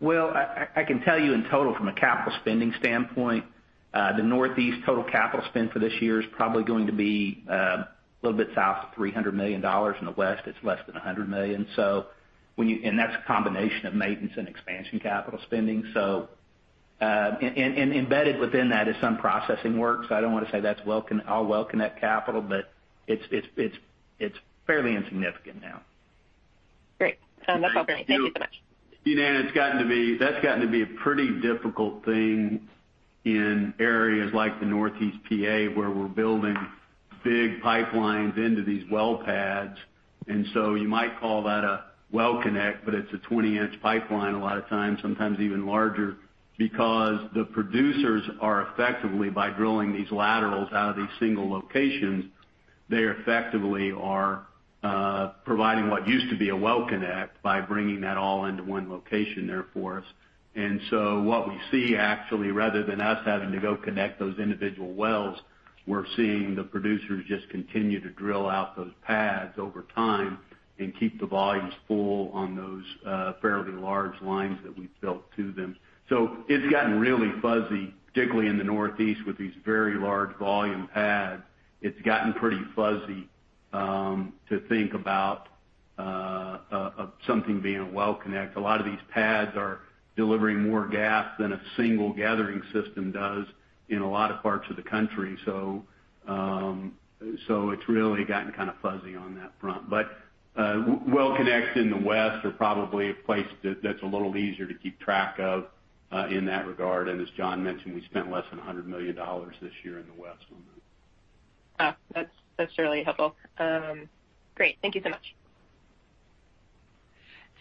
D: Well, I can tell you in total from a capital spending standpoint, the Northeast total capital spend for this year is probably going to be a little bit south of $300 million. In the West, it's less than $100 million. That's a combination of maintenance and expansion capital spending. Embedded within that is some processing work. I don't want to say that's all well connect capital, but it's fairly insignificant now.
J: Great. No problem. Thank you so much.
C: Jean Ann, that's gotten to be a pretty difficult thing in areas like the Northeast PA where we're building big pipelines into these well pads. You might call that a well connect, but it's a 20-inch pipeline a lot of times, sometimes even larger, because the producers are effectively, by drilling these laterals out of these single locations, they effectively are providing what used to be a well connect by bringing that all into one location there for us. What we see actually, rather than us having to go connect those individual wells, we're seeing the producers just continue to drill out those pads over time and keep the volumes full on those fairly large lines that we've built to them. So it's gotten really fuzzy, particularly in the Northeast with these very large volume pads. It's gotten pretty fuzzy to think about something being well-connected. A lot of these pads are delivering more gas than a single gathering system does in a lot of parts of the country. It's really gotten kind of fuzzy on that front but well connects in the West are probably a place that's a little easier to keep track of in that regard. As John mentioned, we spent less than $100 million this year in the West on them.
J: Oh, that's really helpful. Great. Thank you so much.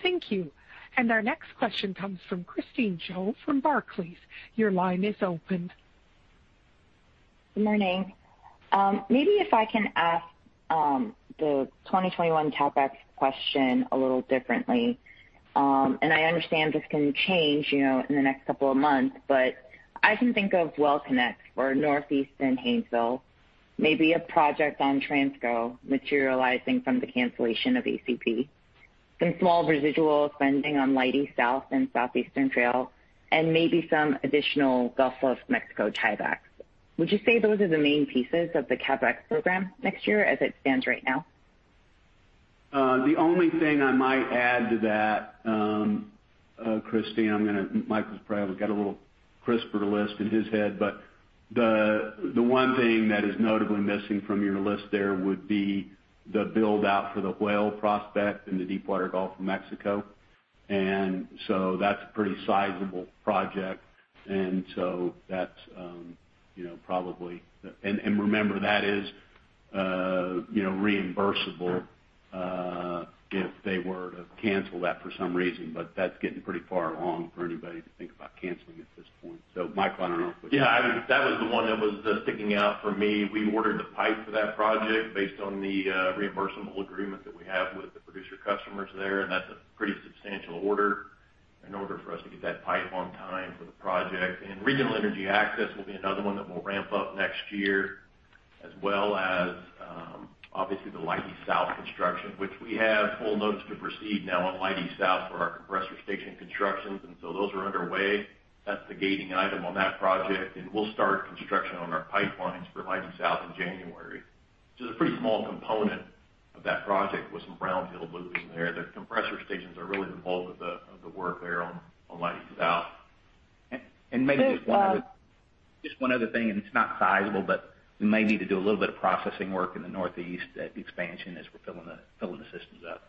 A: Thank you. Our next question comes from Christine Cho from Barclays. Your line is open.
K: Good morning. Maybe if I can ask the 2021 CapEx question a little differently. I understand this can change in the next couple of months, but I can think of well connects for Northeast and Haynesville, maybe a project on Transco materializing from the cancellation of ACP, some small residual spending on Leidy South and Southeastern Trail, and maybe some additional Gulf of Mexico tiebacks. Would you say those are the main pieces of the CapEx program next year as it stands right now?
C: The only thing I might add to that, Christine, Micheal's probably got a little crisper list in his head, the one thing that is notably missing from your list there would be the build-out for the Whale prospect in the deepwater Gulf of Mexico. That's a pretty sizable project. Remember, that is reimbursable if they were to cancel that for some reason, that's getting pretty far along for anybody to think about canceling at this point. Micheal, I don't know if you–
F: Yeah, that was the one that was sticking out for me. We ordered the pipe for that project based on the reimbursable agreement that we have with the producer customers there, and that's a pretty substantial order in order for us to get that pipe on time for the project. Regional Energy Access will be another one that we'll ramp up next year, as well as, obviously, the Leidy South construction, which we have full notice to proceed now on Leidy South for our compressor station constructions. Those are underway. That's the gating item on that project, and we'll start construction on our pipelines for Leidy South in January, which is a pretty small component of that project with some brownfield loops in there. The compressor stations are really the bulk of the work there on Leidy South.
D: Maybe just one other thing, and it's not sizable, but we may need to do a little bit of processing work in the Northeast at expansion as we're filling the systems up.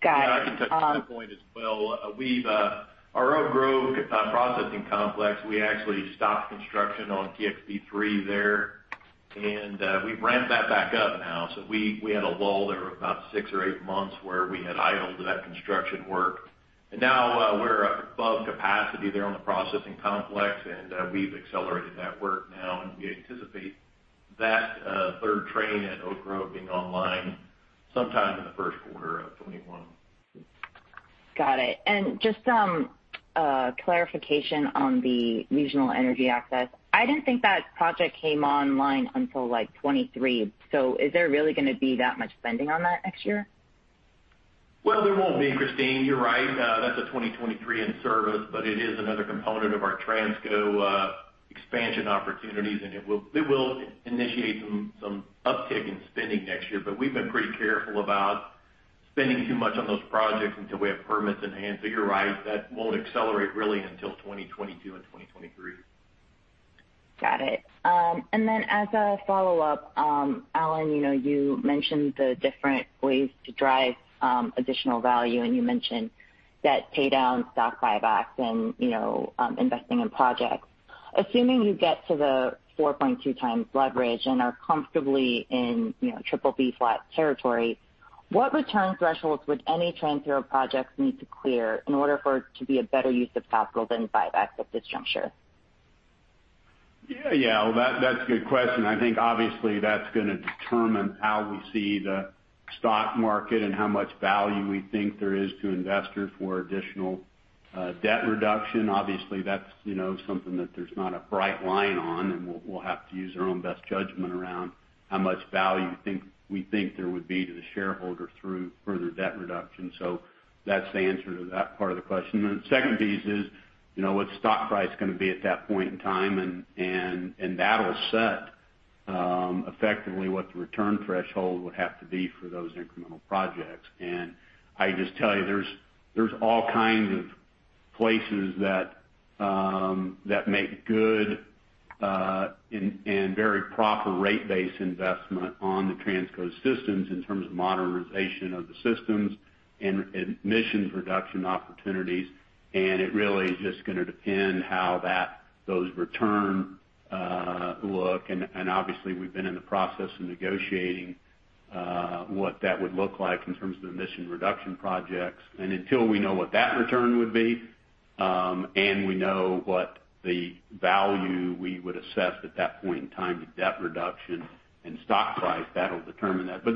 K: Got it.
F: I can touch on that point as well. Our Oak Grove processing complex, we actually stopped construction on TXP3 there. We've ramped that back up now. We had a lull there of about six or eight months where we had idled that construction work. Now we're above capacity there on the processing complex. We've accelerated that work now. We anticipate that third train at Oak Grove being online sometime in the first quarter of 2021.
K: Got it. Just some clarification on the Regional Energy Access. I didn't think that project came online until like 2023. Is there really gonna be that much spending on that next year?
F: There won't be, Christine, you're right. That's a 2023 in service. It is another component of our Transco expansion opportunities. It will initiate some uptick in spending next year. We've been pretty careful about spending too much on those projects until we have permits in hand. You're right. That won't accelerate really until 2022 and 2023.
K: Got it. As a follow-up, Alan, you mentioned the different ways to drive additional value, and you mentioned debt pay down, stock buybacks, and investing in projects. Assuming you get to the 4.2 times leverage and are comfortably in BBB flat territory, what return thresholds would any Transco projects need to clear in order for it to be a better use of capital than buybacks at this juncture?
C: That's a good question. I think obviously that's gonna determine how we see the stock market and how much value we think there is to investors for additional debt reduction. Obviously, that's something that there's not a bright line on, and we'll have to use our own best judgment around how much value we think there would be to the shareholder through further debt reduction. That's the answer to that part of the question. The second piece is what stock price is going to be at that point in time, and that'll set effectively what the return threshold would have to be for those incremental projects. I just tell you, there's all kinds of places that make good and very proper rate base investment on the Transco systems in terms of modernization of the systems and emissions reduction opportunities. It really is just gonna depend how those return look. Obviously, we've been in the process of negotiating what that would look like in terms of emission reduction projects. Until we know what that return would be, and we know what the value we would assess at that point in time to debt reduction and stock price, that'll determine that. The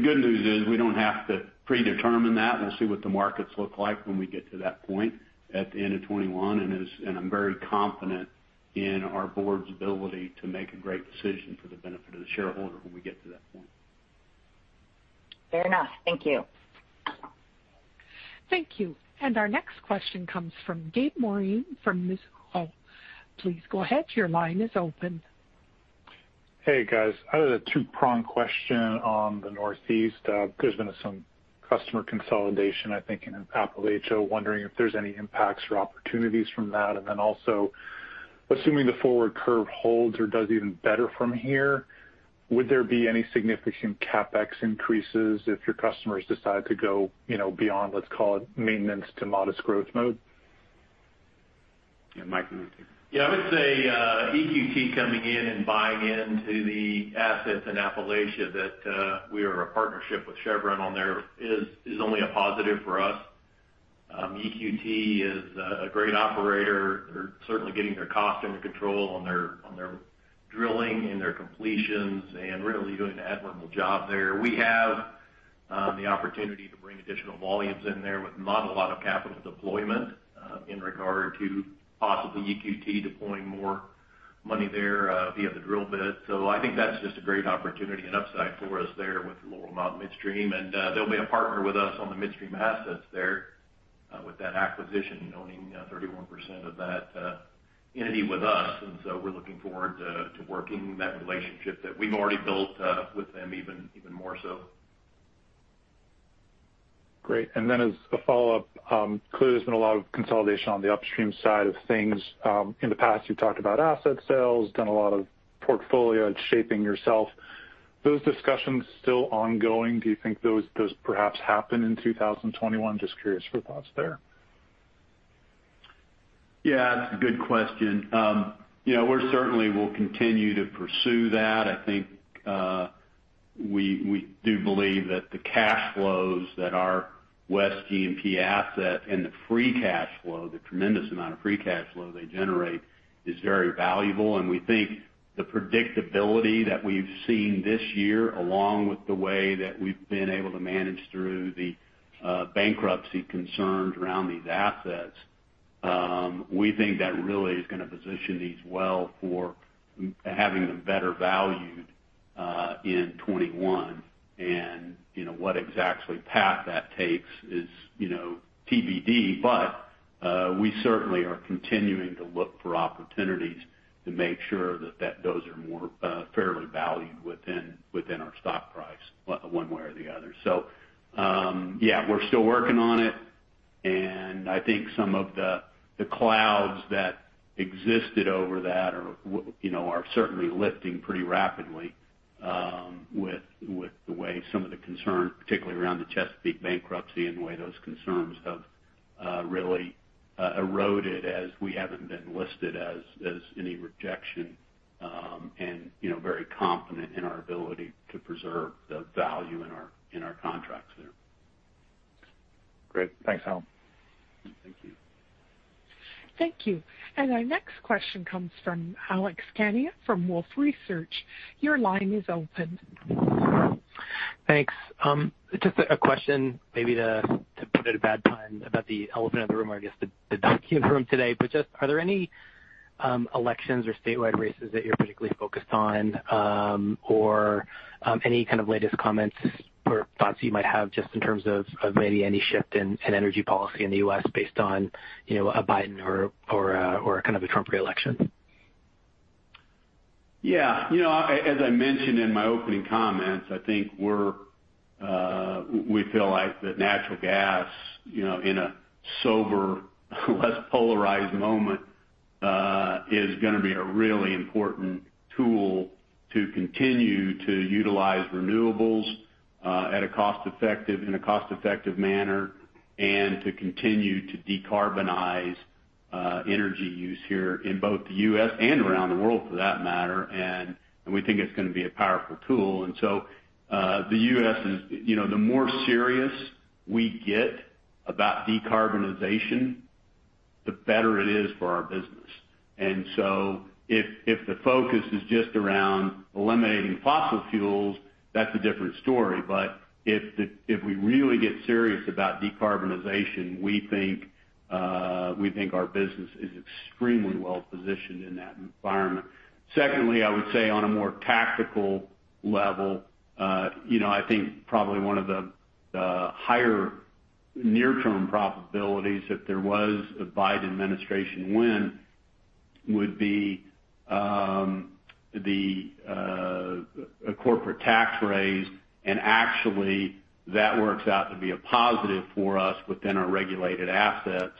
C: good news is we don't have to predetermine that. We'll see what the markets look like when we get to that point at the end of 2021. I'm very confident in our board's ability to make a great decision for the benefit of the shareholder when we get to that point.
K: Fair enough. Thank you.
A: Thank you. Our next question comes from Gabe Moreen from Mizuho. Please go ahead.
L: Hey, guys. I have a two-pronged question on the Northeast. There's been some customer consolidation, I think, in Appalachia. Wondering if there's any impacts or opportunities from that? Then also assuming the forward curve holds or does even better from here, would there be any significant CapEx increases if your customers decide to go beyond, let's call it maintenance to modest growth mode?
C: Mike, you can take it.
F: I would say, EQT coming in and buying into the assets in Appalachia that we are a partnership with Chevron on there is only a positive for us. EQT is a great operator. They're certainly getting their cost under control on their drilling and their completions, and really doing an admirable job there. We have the opportunity to bring additional volumes in there with not a lot of capital deployment in regard to possibly EQT deploying more money there via the drill bit. I think that's just a great opportunity and upside for us there with Laurel Mountain Midstream. They'll be a partner with us on the midstream assets there with that acquisition, owning 31% of that entity with us. We're looking forward to working that relationship that we've already built with them even more so.
L: Great. Clearly, there's been a lot of consolidation on the upstream side of things. In the past, you've talked about asset sales, done a lot of portfolio and shaping yourself. Those discussions still ongoing? Do you think those perhaps happen in 2021? Just curious for thoughts there.
C: Yeah, that's a good question. We certainly will continue to pursue that. I think we do believe that the cash flows that our West G&P asset and the free cash flow, the tremendous amount of free cash flow they generate, is very valuable. We think the predictability that we've seen this year, along with the way that we've been able to manage through the bankruptcy concerns around these assets, we think that really is going to position these well for having them better valued in 2021. What exactly path that takes is TBD. We certainly are continuing to look for opportunities to make sure that those are more fairly valued within our stock price one way or the other. Yeah, we're still working on it, and I think some of the clouds that existed over that are certainly lifting pretty rapidly with the way some of the concern, particularly around the Chesapeake bankruptcy and the way those concerns have really eroded as we haven't been listed as any rejection and very confident in our ability to preserve the value in our contracts there.
L: Great. Thanks, Alan.
C: Thank you.
A: Thank you. Our next question comes from Alex Kania from Wolfe Research. Your line is open.
M: Thanks. Just a question maybe to put at a bad time about the elephant in the room or I guess the donkey in the room today. Are there any elections or statewide races that you're particularly focused on? Or any kind of latest comments or thoughts you might have just in terms of maybe any shift in energy policy in the U.S. based on a Biden or a kind of a Trump reelection?
C: Yeah. As I mentioned in my opening comments, I think we feel like that natural gas in a sober less polarized moment, is going to be a really important tool to continue to utilize renewables in a cost-effective manner and to continue to decarbonize energy use here in both the U.S. and around the world for that matter. We think it's going to be a powerful tool. The more serious we get about decarbonization, the better it is for our business. If the focus is just around eliminating fossil fuels, that's a different story. If we really get serious about decarbonization, we think our business is extremely well-positioned in that environment. Secondly, I would say on a more tactical level, I think probably one of the higher near-term probabilities, if there was a Biden administration win, would be a corporate tax raise. Actually, that works out to be a positive for us within our regulated assets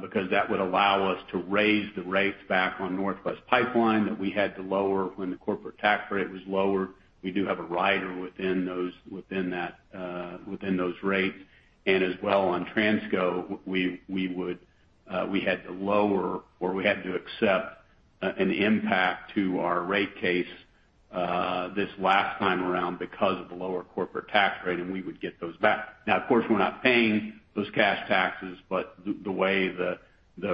C: because that would allow us to raise the rates back on Northwest Pipeline that we had to lower when the corporate tax rate was lower. We do have a rider within those rates. As well on Transco, we had to lower or we had to accept an impact to our rate case this last time around because of the lower corporate tax rate, and we would get those back. Now, of course, we're not paying those cash taxes, but the way the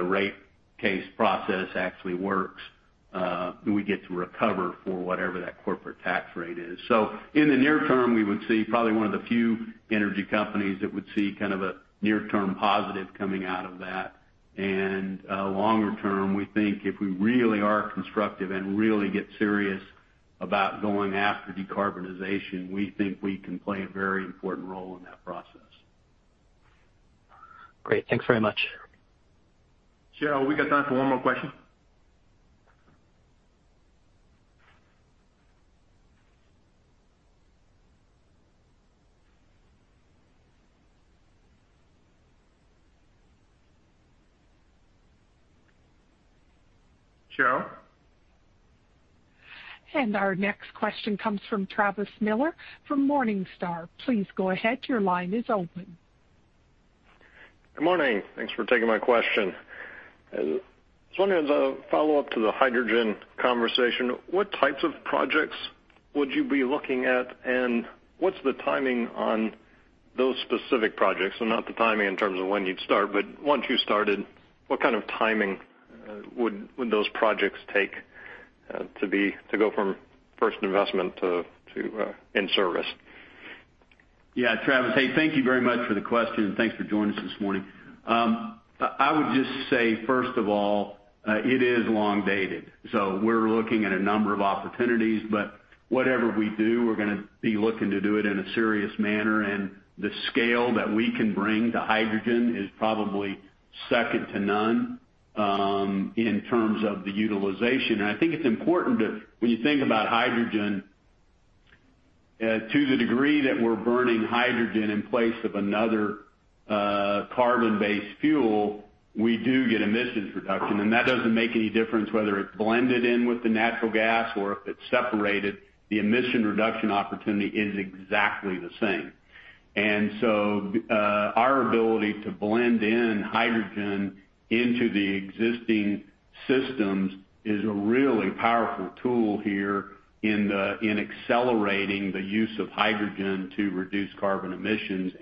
C: rate case process actually works we get to recover for whatever that corporate tax rate is. In the near term, we would see probably one of the few energy companies that would see kind of a near-term positive coming out of that. Longer term, we think if we really are constructive and really get serious about going after decarbonization, we think we can play a very important role in that process.
M: Great. Thanks very much.
B: Cheryl, we got time for one more question. Cheryl?
A: Our next question comes from Travis Miller from Morningstar. Please go ahead, your line is open.
N: Good morning. Thanks for taking my question. Just wondering as a follow-up to the hydrogen conversation, what types of projects would you be looking at, and what's the timing on those specific projects? Not the timing in terms of when you'd start, but once you started, what kind of timing would those projects take to go from first investment to in service?
C: Yeah. Travis, hey, thank you very much for the question. Thanks for joining us this morning. I would just say, first of all, it is long-dated. We're looking at a number of opportunities, but whatever we do, we're going to be looking to do it in a serious manner, and the scale that we can bring to hydrogen is probably second to none in terms of the utilization. I think it's important that when you think about hydrogen, to the degree that we're burning hydrogen in place of another carbon-based fuel, we do get emissions reduction. That doesn't make any difference whether it's blended in with the natural gas or if it's separated. The emission reduction opportunity is exactly the same. Our ability to blend in hydrogen into the existing systems is a really powerful tool here in accelerating the use of hydrogen to reduce carbon emissions.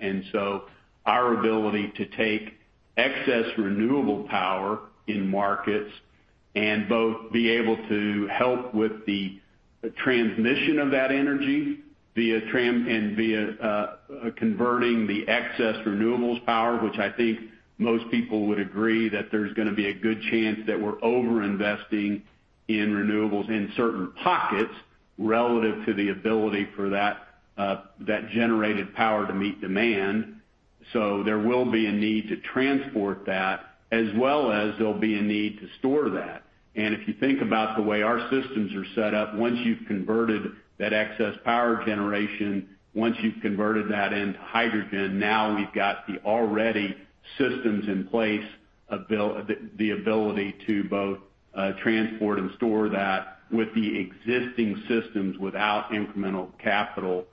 C: Our ability to take excess renewable power in markets and both be able to help with the transmission of that energy and via converting the excess renewables power, which I think most people would agree that there's going to be a good chance that we're over-investing in renewables in certain pockets relative to the ability for that generated power to meet demand. There will be a need to transport that as well as there'll be a need to store that. If you think about the way our systems are set up, once you've converted that excess power generation, once you've converted that into hydrogen, now we've got the already systems in place, the ability to both transport and store that with the existing systems without incremental capital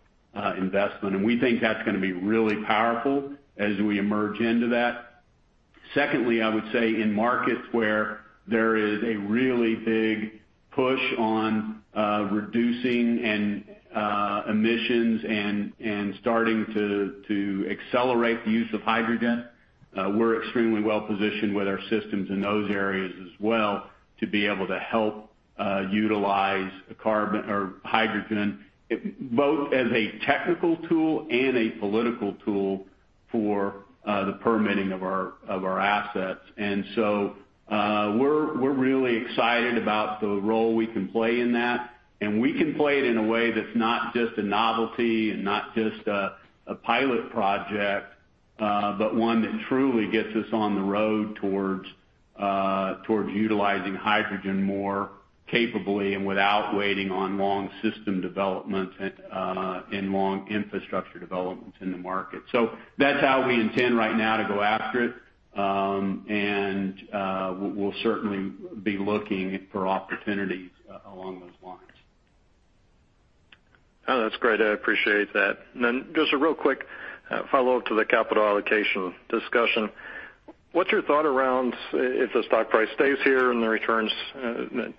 C: investment. We think that's going to be really powerful as we emerge into that. Secondly, I would say in markets where there is a really big push on reducing emissions and starting to accelerate the use of hydrogen, we're extremely well-positioned with our systems in those areas as well to be able to help utilize hydrogen, both as a technical tool and a political tool for the permitting of our assets. We're really excited about the role we can play in that, and we can play it in a way that's not just a novelty and not just a pilot project, but one that truly gets us on the road towards utilizing hydrogen more capably and without waiting on long system development and long infrastructure development in the market. That's how we intend right now to go after it. We'll certainly be looking for opportunities along those lines.
N: Oh, that's great. I appreciate that. Just a real quick follow-up to the capital allocation discussion. What's your thought around if the stock price stays here and the returns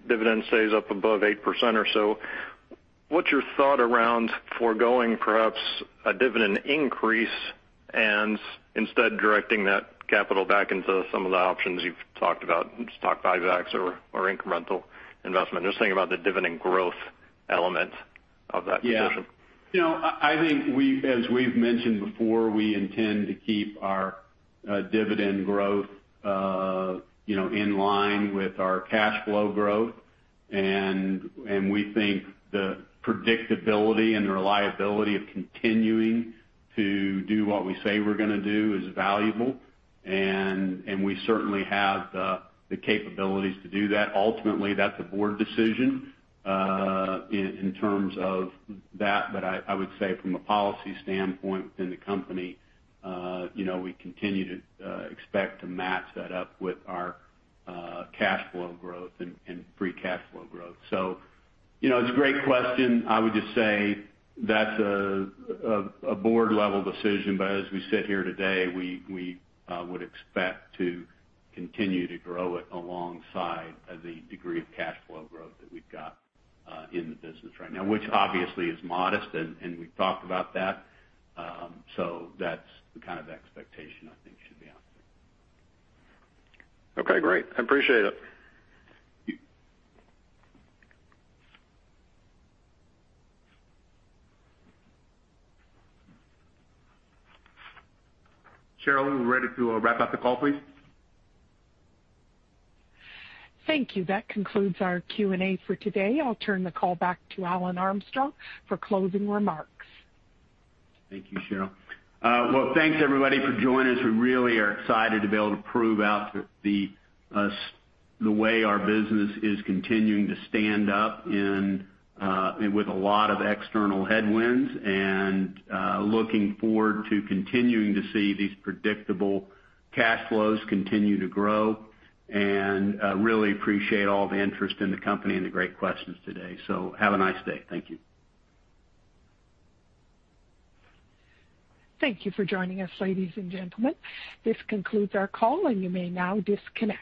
N: dividend stays up above 8% or so, what's your thought around foregoing perhaps a dividend increase and instead directing that capital back into some of the options you've talked about, stock buybacks or incremental investment? Just thinking about the dividend growth element of that position.
C: Yeah. I think as we've mentioned before, we intend to keep our dividend growth in line with our cash flow growth. We think the predictability and reliability of continuing to do what we say we're going to do is valuable. We certainly have the capabilities to do that. Ultimately, that's a board decision, in terms of that. I would say from a policy standpoint within the company, we continue to expect to match that up with our cash flow growth and free cash flow growth. It's a great question. I would just say that's a board-level decision, but as we sit here today, we would expect to continue to grow it alongside the degree of cash flow growth that we've got in the business right now. Which obviously is modest, and we've talked about that. That's the kind of expectation I think should be out there.
N: Okay, great. I appreciate it.
B: Cheryl, are we ready to wrap up the call, please?
A: Thank you. That concludes our Q&A for today. I'll turn the call back to Alan Armstrong for closing remarks.
C: Thank you, Cheryl. Well, thanks everybody for joining us. We really are excited to be able to prove out the way our business is continuing to stand up with a lot of external headwinds and looking forward to continuing to see these predictable cash flows continue to grow. Really appreciate all the interest in the company and the great questions today. Have a nice day. Thank you.
A: Thank you for joining us, ladies and gentlemen. This concludes our call, and you may now disconnect.